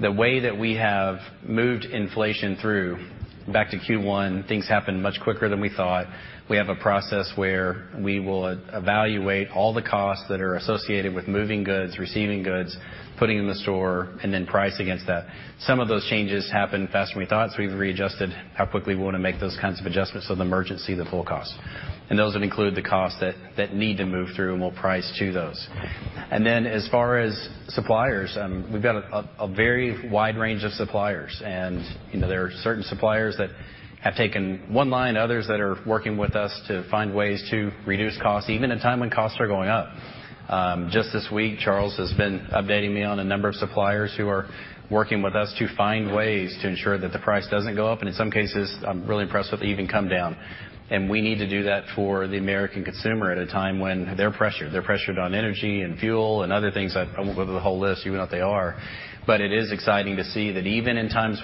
F: The way that we have moved inflation through, back to Q1, things happened much quicker than we thought. We have a process where we will evaluate all the costs that are associated with moving goods, receiving goods, putting in the store, and then price against that. Some of those changes happened faster than we thought, so we've readjusted how quickly we wanna make those kinds of adjustments so the merchant see the full cost. Those would include the costs that need to move through, and we'll price to those. As far as suppliers, we've got a very wide range of suppliers. You know, there are certain suppliers that have taken one line, others that are working with us to find ways to reduce costs even in a time when costs are going up. Just this week, Charles has been updating me on a number of suppliers who are working with us to find ways to ensure that the price doesn't go up, and in some cases, I'm really impressed that they even come down. We need to do that for the American consumer at a time when they're pressured. They're pressured on energy and fuel and other things. I won't go through the whole list, you know what they are. It is exciting to see that even in times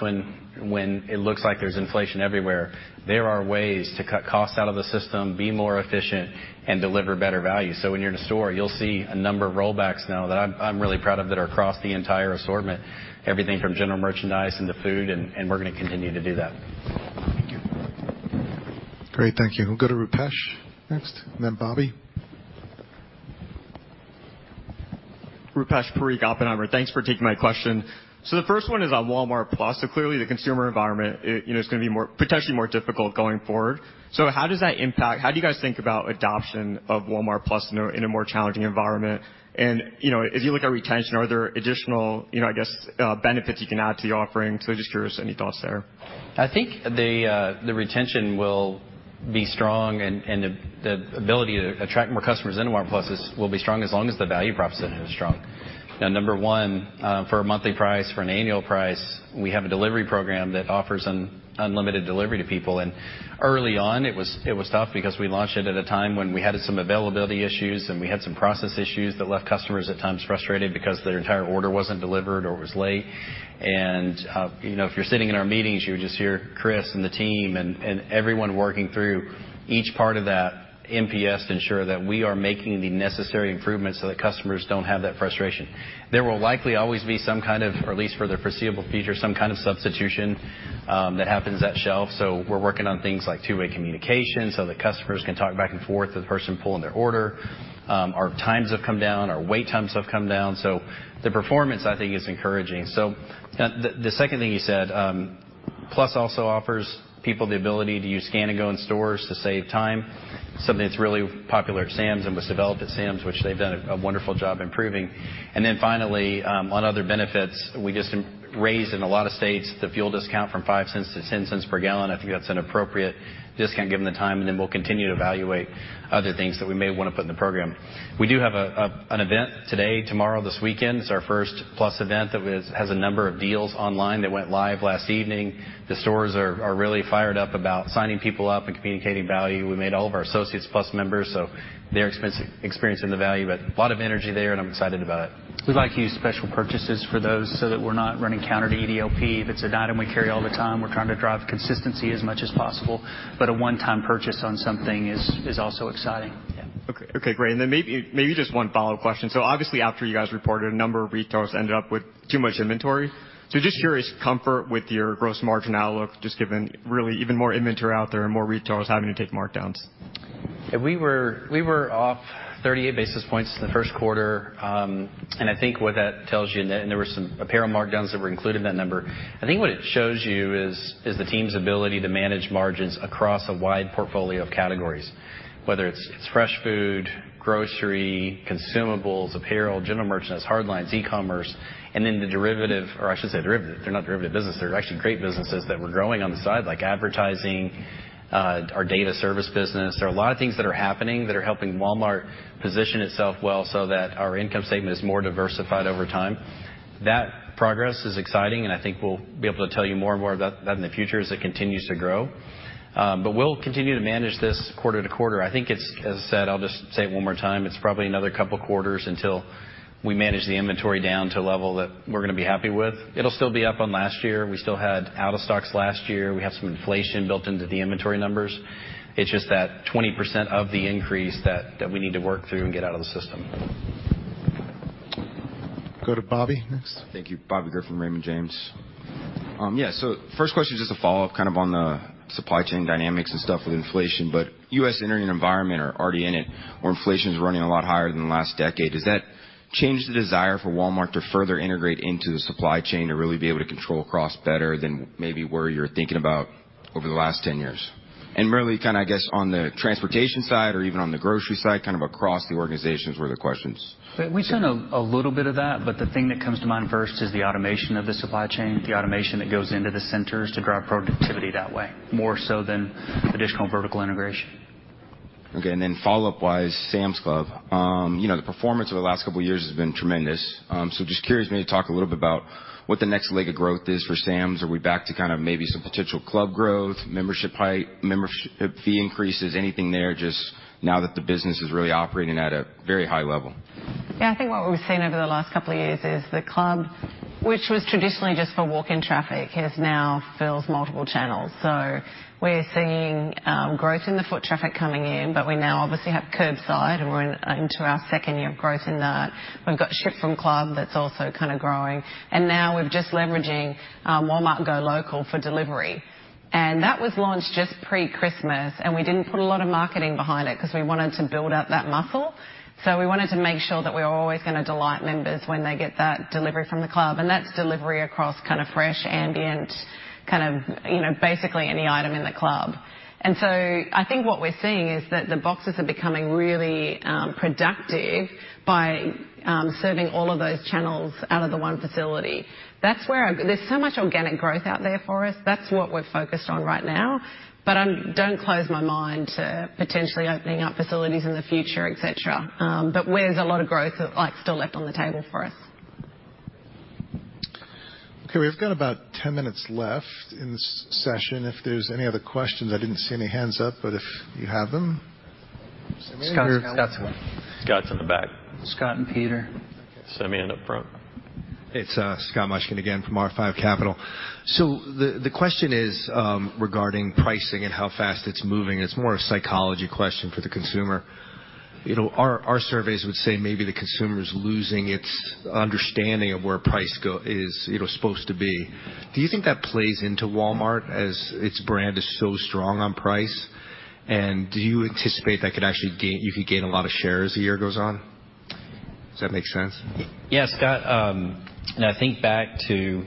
F: when it looks like there's inflation everywhere, there are ways to cut costs out of the system, be more efficient, and deliver better value. When you're in a store, you'll see a number of rollbacks now that I'm really proud of that are across the entire assortment, everything from general merchandise into food, and we're gonna continue to do that.
Q: Thank you.
A: Great. Thank you. We'll go to Rupesh next, and then Bobby.
R: Rupesh Parikh, Oppenheimer. Thanks for taking my question. The first one is on Walmart+. Clearly, the consumer environment, you know, it's gonna be more, potentially, more difficult going forward. How do you guys think about adoption of Walmart+ in a more challenging environment? You know, as you look at retention, are there additional, you know, I guess, benefits you can add to the offering? Just curious, any thoughts there.
F: I think the retention will be strong and the ability to attract more customers into Walmart+ will be strong as long as the value proposition is strong. Now, number one, for a monthly price, for an annual price, we have a delivery program that offers unlimited delivery to people. Early on, it was tough because we launched it at a time when we had some availability issues and we had some process issues that left customers at times frustrated because their entire order wasn't delivered or it was late. You know, if you're sitting in our meetings, you would just hear Chris and the team and everyone working through each part of that MPS to ensure that we are making the necessary improvements so that customers don't have that frustration. There will likely always be some kind of, at least for the foreseeable future, some kind of substitution that happens at shelf. We're working on things like two-way communication so that customers can talk back and forth to the person pulling their order. Our times have come down, our wait times have come down. The performance, I think, is encouraging. The second thing you said, Walmart+ also offers people the ability to use Scan & Go in stores to save time. Something that's really popular at Sam's Club and was developed at Sam's Club, which they've done a wonderful job improving. Finally, on other benefits, we just raised in a lot of states the fuel discount from $0.05-$0.10 per gallon. I think that's an appropriate discount given the time, and then we'll continue to evaluate other things that we may wanna put in the program. We do have an event today, tomorrow, this weekend. It's our first Plus event that has a number of deals online that went live last evening. The stores are really fired up about signing people up and communicating value. We made all of our associates Plus members, so they're experiencing the value. A lot of energy there, and I'm excited about it.
C: We like to use special purchases for those so that we're not running counter to EDLP. If it's an item we carry all the time, we're trying to drive consistency as much as possible. A one-time purchase on something is also exciting.
F: Yeah.
R: Okay, great. Maybe just one follow-up question. Obviously, after you guys reported, a number of retailers ended up with too much inventory. Just curious, comfort with your gross margin outlook, just given really even more inventory out there and more retailers having to take markdowns?
F: Yeah, we were off 38 basis points in the first quarter. I think what that tells you, and there were some apparel markdowns that were included in that number. I think what it shows you is the team's ability to manage margins across a wide portfolio of categories, whether it's fresh food, grocery, consumables, apparel, general merchandise, hard lines, e-commerce, and then the derivative or I shouldn't say derivative. They're not derivative businesses. They're actually great businesses that we're growing on the side, like advertising, our data service business. There are a lot of things that are happening that are helping Walmart position itself well so that our income statement is more diversified over time. That progress is exciting, and I think we'll be able to tell you more and more about that in the future as it continues to grow. We'll continue to manage this quarter to quarter. I think it's, as I said, I'll just say it one more time, it's probably another couple quarters until we manage the inventory down to a level that we're gonna be happy with. It'll still be up on last year. We still had out of stocks last year. We have some inflation built into the inventory numbers. It's just that 20% of the increase that we need to work through and get out of the system.
A: Go to Bobby next.
S: Thank you. Bobby Griffin, Raymond James. Yeah, so first question, just a follow-up kind of on the supply chain dynamics and stuff with inflation. U.S. entering an environment or already in it where inflation's running a lot higher than the last decade, does that change the desire for Walmart to further integrate into the supply chain to really be able to control costs better than maybe where you're thinking about over the last 10 years? And really kinda, I guess, on the transportation side or even on the grocery side, kind of across the organizations were the questions.
C: We've done a little bit of that, but the thing that comes to mind first is the automation of the supply chain, the automation that goes into the centers to drive productivity that way, more so than additional vertical integration.
S: Okay. Follow-up wise, Sam's Club. You know, the performance over the last couple years has been tremendous. Just curious maybe to talk a little bit about what the next leg of growth is for Sam's. Are we back to kind of maybe some potential club growth, membership growth, membership fee increases? Anything there just now that the business is really operating at a very high level.
N: Yeah. I think what we've seen over the last couple of years is the club, which was traditionally just for walk-in traffic, has now fills multiple channels. We're seeing growth in the foot traffic coming in, but we now obviously have curbside, and we're into our second year of growth in that. We've got ship from club that's also kinda growing, and now we're just leveraging Walmart GoLocal for delivery. That was launched just pre-Christmas, and we didn't put a lot of marketing behind it because we wanted to build out that muscle. We wanted to make sure that we're always gonna delight members when they get that delivery from the club, and that's delivery across kinda fresh, ambient, kind of, you know, basically any item in the club. I think what we're seeing is that the boxes are becoming really productive by serving all of those channels out of the one facility. That's where there's so much organic growth out there for us. That's what we're focused on right now, but I don't close my mind to potentially opening up facilities in the future, et cetera. But where there's a lot of growth, like, still left on the table for us.
A: Okay, we've got about 10 minutes left in this session. If there's any other questions, I didn't see any hands up, but if you have them.
C: Scott's one.
F: Scott's in the back.
C: Scott and Peter.
F: Semi in the front.
K: It's Scott Mushkin again from R5 Capital. The question is regarding pricing and how fast it's moving. It's more a psychology question for the consumer. You know, our surveys would say maybe the consumer's losing its understanding of where price is, you know, supposed to be. Do you think that plays into Walmart as its brand is so strong on price? Do you anticipate that could actually you could gain a lot of shares as the year goes on? Does that make sense?
C: Yeah, Scott, I think back to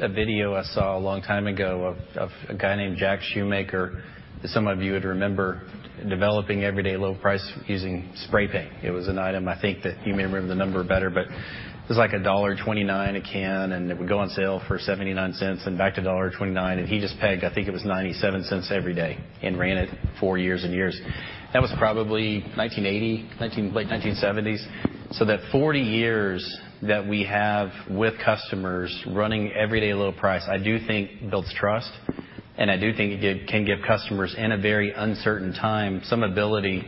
C: a video I saw a long time ago of a guy named Jack Shewmaker, that some of you would remember developing everyday low price using spray paint. It was an item, I think that you may remember the number better, but it was like $1.29 a can, and it would go on sale for $0.79 and back to $1.29. He just pegged, I think it was $0.97 every day and ran it for years and years. That was probably late 1970s. That 40 years that we have with customers running everyday low price, I do think builds trust, and I do think it can give customers, in a very uncertain time, some ability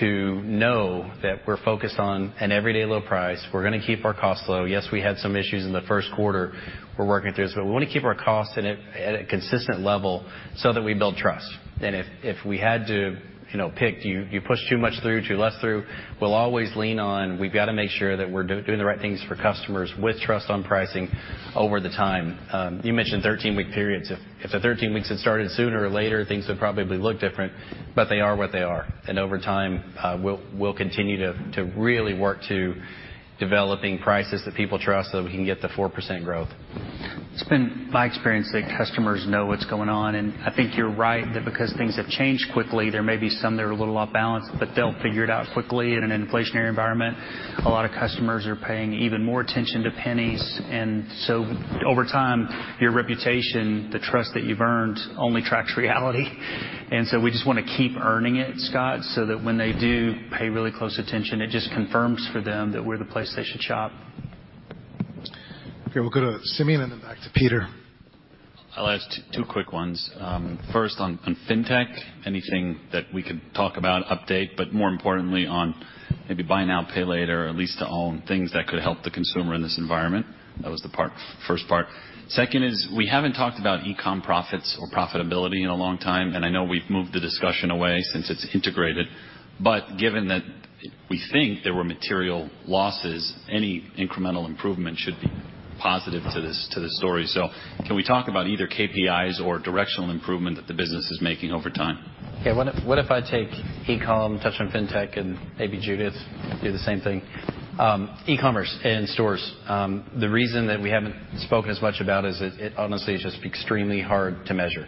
C: to know that we're focused on an everyday low price. We're gonna keep our costs low. Yes, we had some issues in the first quarter. We're working through this, but we wanna keep our costs at a consistent level so that we build trust. If we had to, you know, pick, do you push too much through, too little through, we'll always lean on, we've got to make sure that we're doing the right things for customers with trust on pricing over time. You mentioned 13-week periods. If the 13 weeks had started sooner or later, things would probably look different, but they are what they are. Over time, we'll continue to really work to developing prices that people trust so that we can get the 4% growth. It's been my experience that customers know what's going on, and I think you're right that because things have changed quickly, there may be some that are a little off balance, but they'll figure it out quickly. In an inflationary environment, a lot of customers are paying even more attention to pennies. Over time, your reputation, the trust that you've earned only tracks reality. We just wanna keep earning it, Scott, so that when they do pay really close attention, it just confirms for them that we're the place they should shop.
A: Okay. We'll go to Simeon and then back to Peter.
H: I'll ask two quick ones. First on Fintech. Anything that we could talk about, update, but more importantly on maybe buy now, pay later, or lease to own, things that could help the consumer in this environment. That was the first part. Second is we haven't talked about e-com profits or profitability in a long time, and I know we've moved the discussion away since it's integrated. Given that we think there were material losses, any incremental improvement should be positive to this story. Can we talk about either KPIs or directional improvement that the business is making over time?
F: Okay, what if I take e-com, touch on Fintech and maybe Judith do the same thing? E-commerce and stores. The reason that we haven't spoken as much about is it honestly is just extremely hard to measure.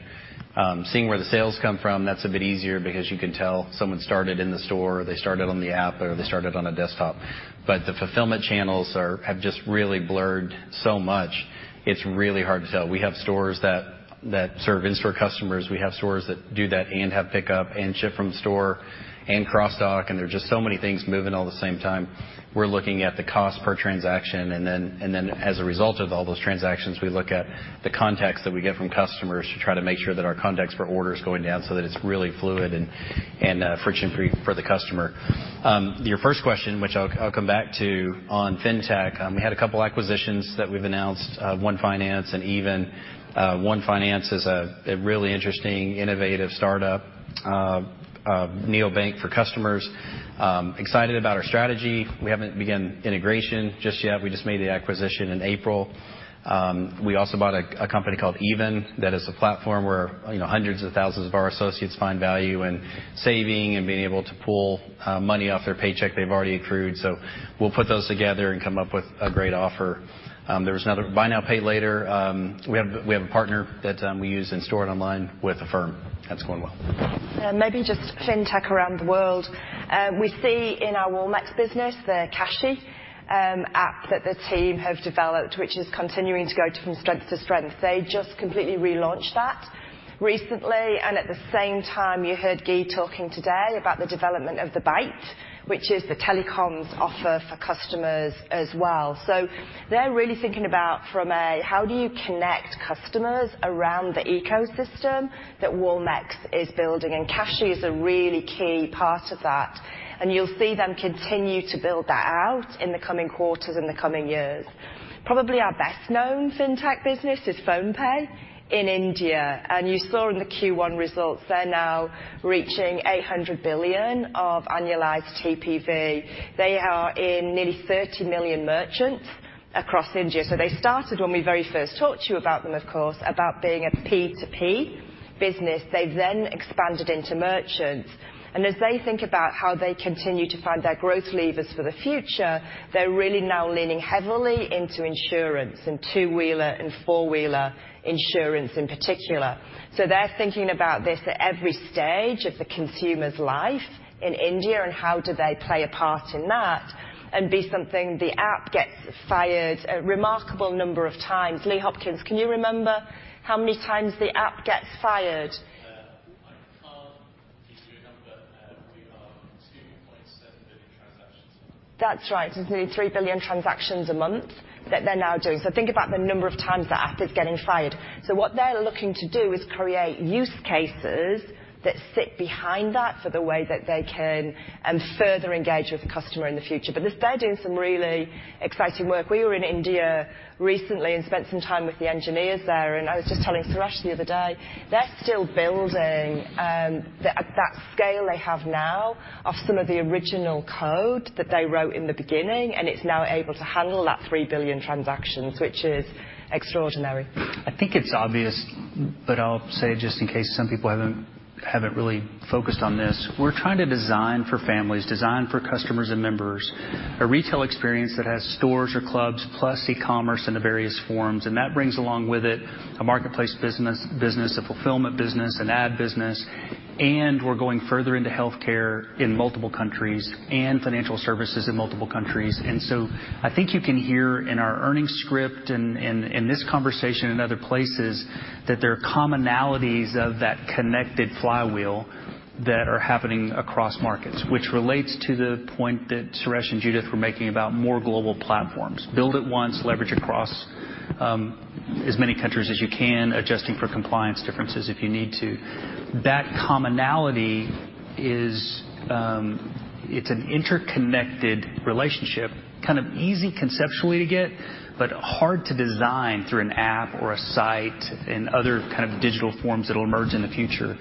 F: Seeing where the sales come from, that's a bit easier because you can tell someone started in the store, or they started on the app, or they started on a desktop. The fulfillment channels have just really blurred so much, it's really hard to tell. We have stores that serve in-store customers. We have stores that do that and have pickup, and ship from store and cross dock, and there's just so many things moving all at the same time. We're looking at the cost per transaction. As a result of all those transactions, we look at the contacts that we get from customers to try to make sure that our contacts per order is going down so that it's really fluid and friction-free for the customer. Your first question, which I'll come back to on Fintech. We had a couple acquisitions that we've announced, ONE and Even. ONE is a really interesting innovative startup, neobank for customers. Excited about our strategy. We haven't begun integration just yet. We just made the acquisition in April. We also bought a company called Even that is a platform where, you know, hundreds of thousands of our associates find value in saving and being able to pull money off their paycheck they've already accrued. We'll put those together and come up with a great offer. There was another buy now, pay later. We have a partner that we use in store and online with Affirm. That's going well.
A: Yeah.
G: Maybe just Fintech around the world. We see in our Walmex business, the Cashi app that the team have developed, which is continuing to go from strength to strength. They just completely relaunched that recently. At the same time, you heard Gui talking today about the development of BAIT, which is the telecoms offer for customers as well. They're really thinking about from a how do you connect customers around the ecosystem that Walmex is building, and Cashi is a really key part of that. You'll see them continue to build that out in the coming quarters, in the coming years. Probably our best-known Fintech business is PhonePe in India. You saw in the Q1 results they're now reaching $800 billion of annualized TPV. They are in nearly 30 million merchants across India. They started when we very first talked to you about them, of course, about being a P2P business. They've then expanded into merchants. As they think about how they continue to find their growth levers for the future, they're really now leaning heavily into insurance and two-wheeler and four-wheeler insurance in particular. They're thinking about this at every stage of the consumer's life in India, and how do they play a part in that and be something the app gets fired a remarkable number of times. Lee Hopkins, can you remember how many times the app gets fired?
T: I can't give you a number. We are 2.7 billion transactions a month.
G: That's right. It's nearly 3 billion transactions a month that they're now doing. Think about the number of times that app is getting fired. What they're looking to do is create use cases that sit behind that for the way that they can further engage with the customer in the future. They're doing some really exciting work. We were in India recently and spent some time with the engineers there, and I was just telling Suresh the other day, they're still building at that scale they have now of some of the original code that they wrote in the beginning, and it's now able to handle that 3 billion transactions, which is extraordinary.
C: I think it's obvious, but I'll say it just in case some people haven't. Haven't really focused on this. We're trying to design for families, design for customers and members, a retail experience that has stores or clubs plus e-commerce into various forms. That brings along with it a marketplace business, a fulfillment business, an ad business, and we're going further into healthcare in multiple countries and financial services in multiple countries. I think you can hear in our earnings script and in this conversation and other places that there are commonalities of that connected flywheel that are happening across markets, which relates to the point that Suresh and Judith were making about more global platforms. Build it once, leverage across as many countries as you can, adjusting for compliance differences if you need to. That commonality is, it's an interconnected relationship, kind of easy conceptually to get, but hard to design through an app or a site and other kind of digital forms that'll emerge in the future.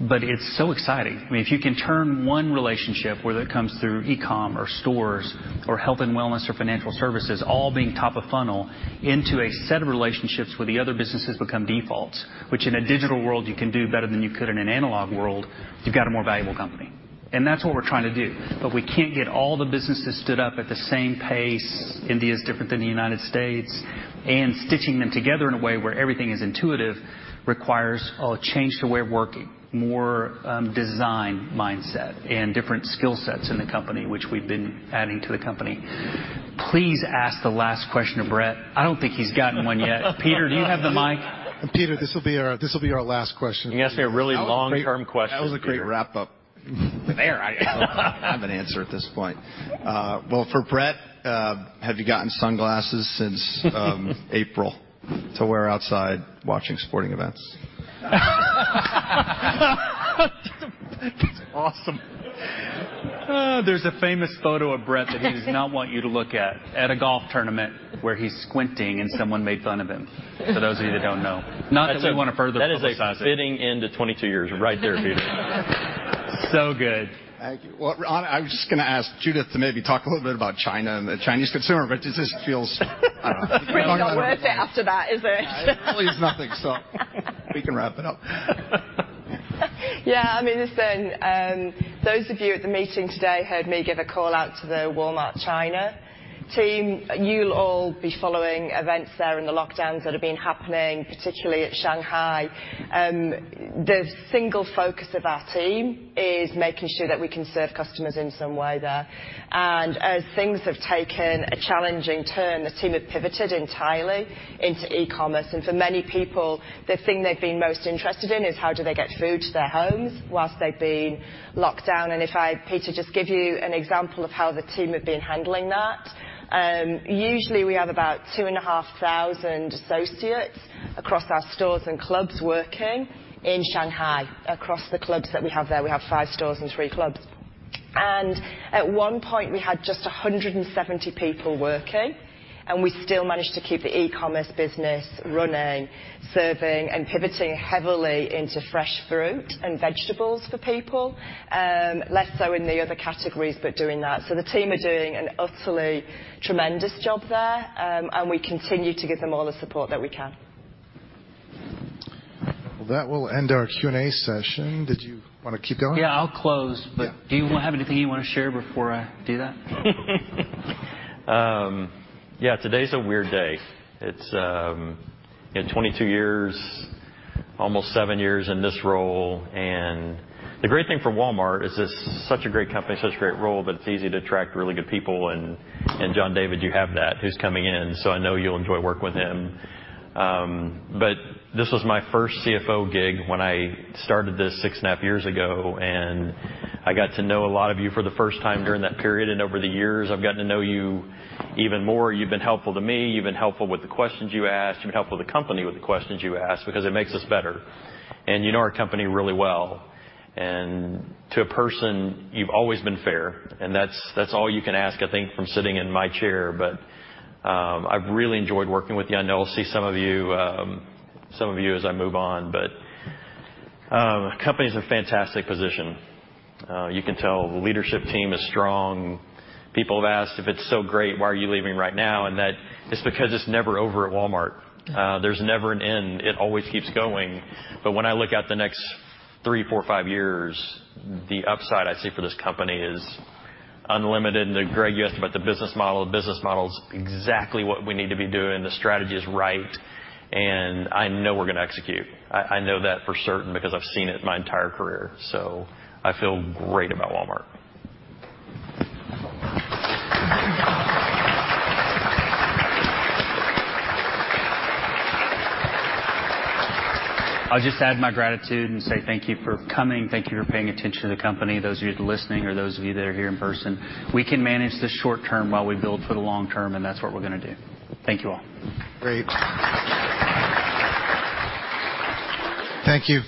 C: It's so exciting. I mean, if you can turn one relationship, whether it comes through e-com or stores or health and wellness or financial services, all being top of funnel into a set of relationships where the other businesses become defaults, which in a digital world you can do better than you could in an analog world, you've got a more valuable company. That's what we're trying to do. We can't get all the businesses stood up at the same pace. India is different than the United States, and stitching them together in a way where everything is intuitive requires a change to way of working, more, design mindset and different skill sets in the company, which we've been adding to the company. Please ask the last question to Brett. I don't think he's gotten one yet. Peter, do you have the mic?
A: Peter, this will be our last question.
C: You can ask me a really long-term question, Peter.
M: That was a great wrap-up.
C: There I am.
M: I have an answer at this point. For Brett, have you gotten sunglasses since April to wear outside watching sporting events?
C: That's awesome. Oh, there's a famous photo of Brett that he does not want you to look at a golf tournament where he's squinting and someone made fun of him, for those of you that don't know. Not that we wanna further publicize it.
A: That is a fitting end to 22 years right there, Peter.
C: Good.
A: Thank you. Well, I'm just gonna ask Judith to maybe talk a little bit about China and the Chinese consumer, but it just feels, I don't know.
G: It's really not worth it after that, is it?
A: Please nothing, so we can wrap it up.
G: Yeah. I mean, listen, those of you at the meeting today heard me give a call out to the Walmart China team. You'll all be following events there and the lockdowns that have been happening, particularly at Shanghai. The single focus of our team is making sure that we can serve customers in some way there. As things have taken a challenging turn, the team have pivoted entirely into e-commerce. For many people, the thing they've been most interested in is how do they get food to their homes while they've been locked down. If I, Peter, just give you an example of how the team have been handling that. Usually, we have about 2,500 associates across our stores and clubs working in Shanghai. Across the clubs that we have there, we have five stores and three clubs. At one point, we had just 170 people working, and we still managed to keep the e-commerce business running, serving, and pivoting heavily into fresh fruit and vegetables for people, less so in the other categories, but doing that. The team are doing an utterly tremendous job there, and we continue to give them all the support that we can.
A: That will end our Q&A session. Did you wanna keep going?
C: Yeah, I'll close.
A: Yeah.
C: Do you have anything you wanna share before I do that?
B: Yeah. Today's a weird day. It's you know, 22 years, almost seven years in this role. The great thing for Walmart is it's such a great company, such a great role, but it's easy to attract really good people. John David Rainey, you have that, who's coming in, so I know you'll enjoy working with him. This was my first CFO gig when I started this 6.5 years ago, and I got to know a lot of you for the first time during that period. Over the years, I've gotten to know you even more. You've been helpful to me, you've been helpful with the questions you ask, you've been helpful to the company with the questions you ask because it makes us better. You know our company really well. To a person, you've always been fair, and that's all you can ask, I think, from sitting in my chair. I've really enjoyed working with you. I know I'll see some of you as I move on, but company's in a fantastic position. You can tell the leadership team is strong. People have asked, "If it's so great, why are you leaving right now?" That it's because it's never over at Walmart. There's never an end. It always keeps going. When I look at the next three, four, five years, the upside I see for this company is unlimited. Greg, you asked about the business model. The business model is exactly what we need to be doing. The strategy is right, and I know we're gonna execute. I know that for certain because I've seen it my entire career. I feel great about Walmart.
C: I'll just add my gratitude and say thank you for coming. Thank you for paying attention to the company, those of you that are listening or those of you that are here in person. We can manage the short term while we build for the long term, and that's what we're gonna do. Thank you all.
A: Great. Thank you.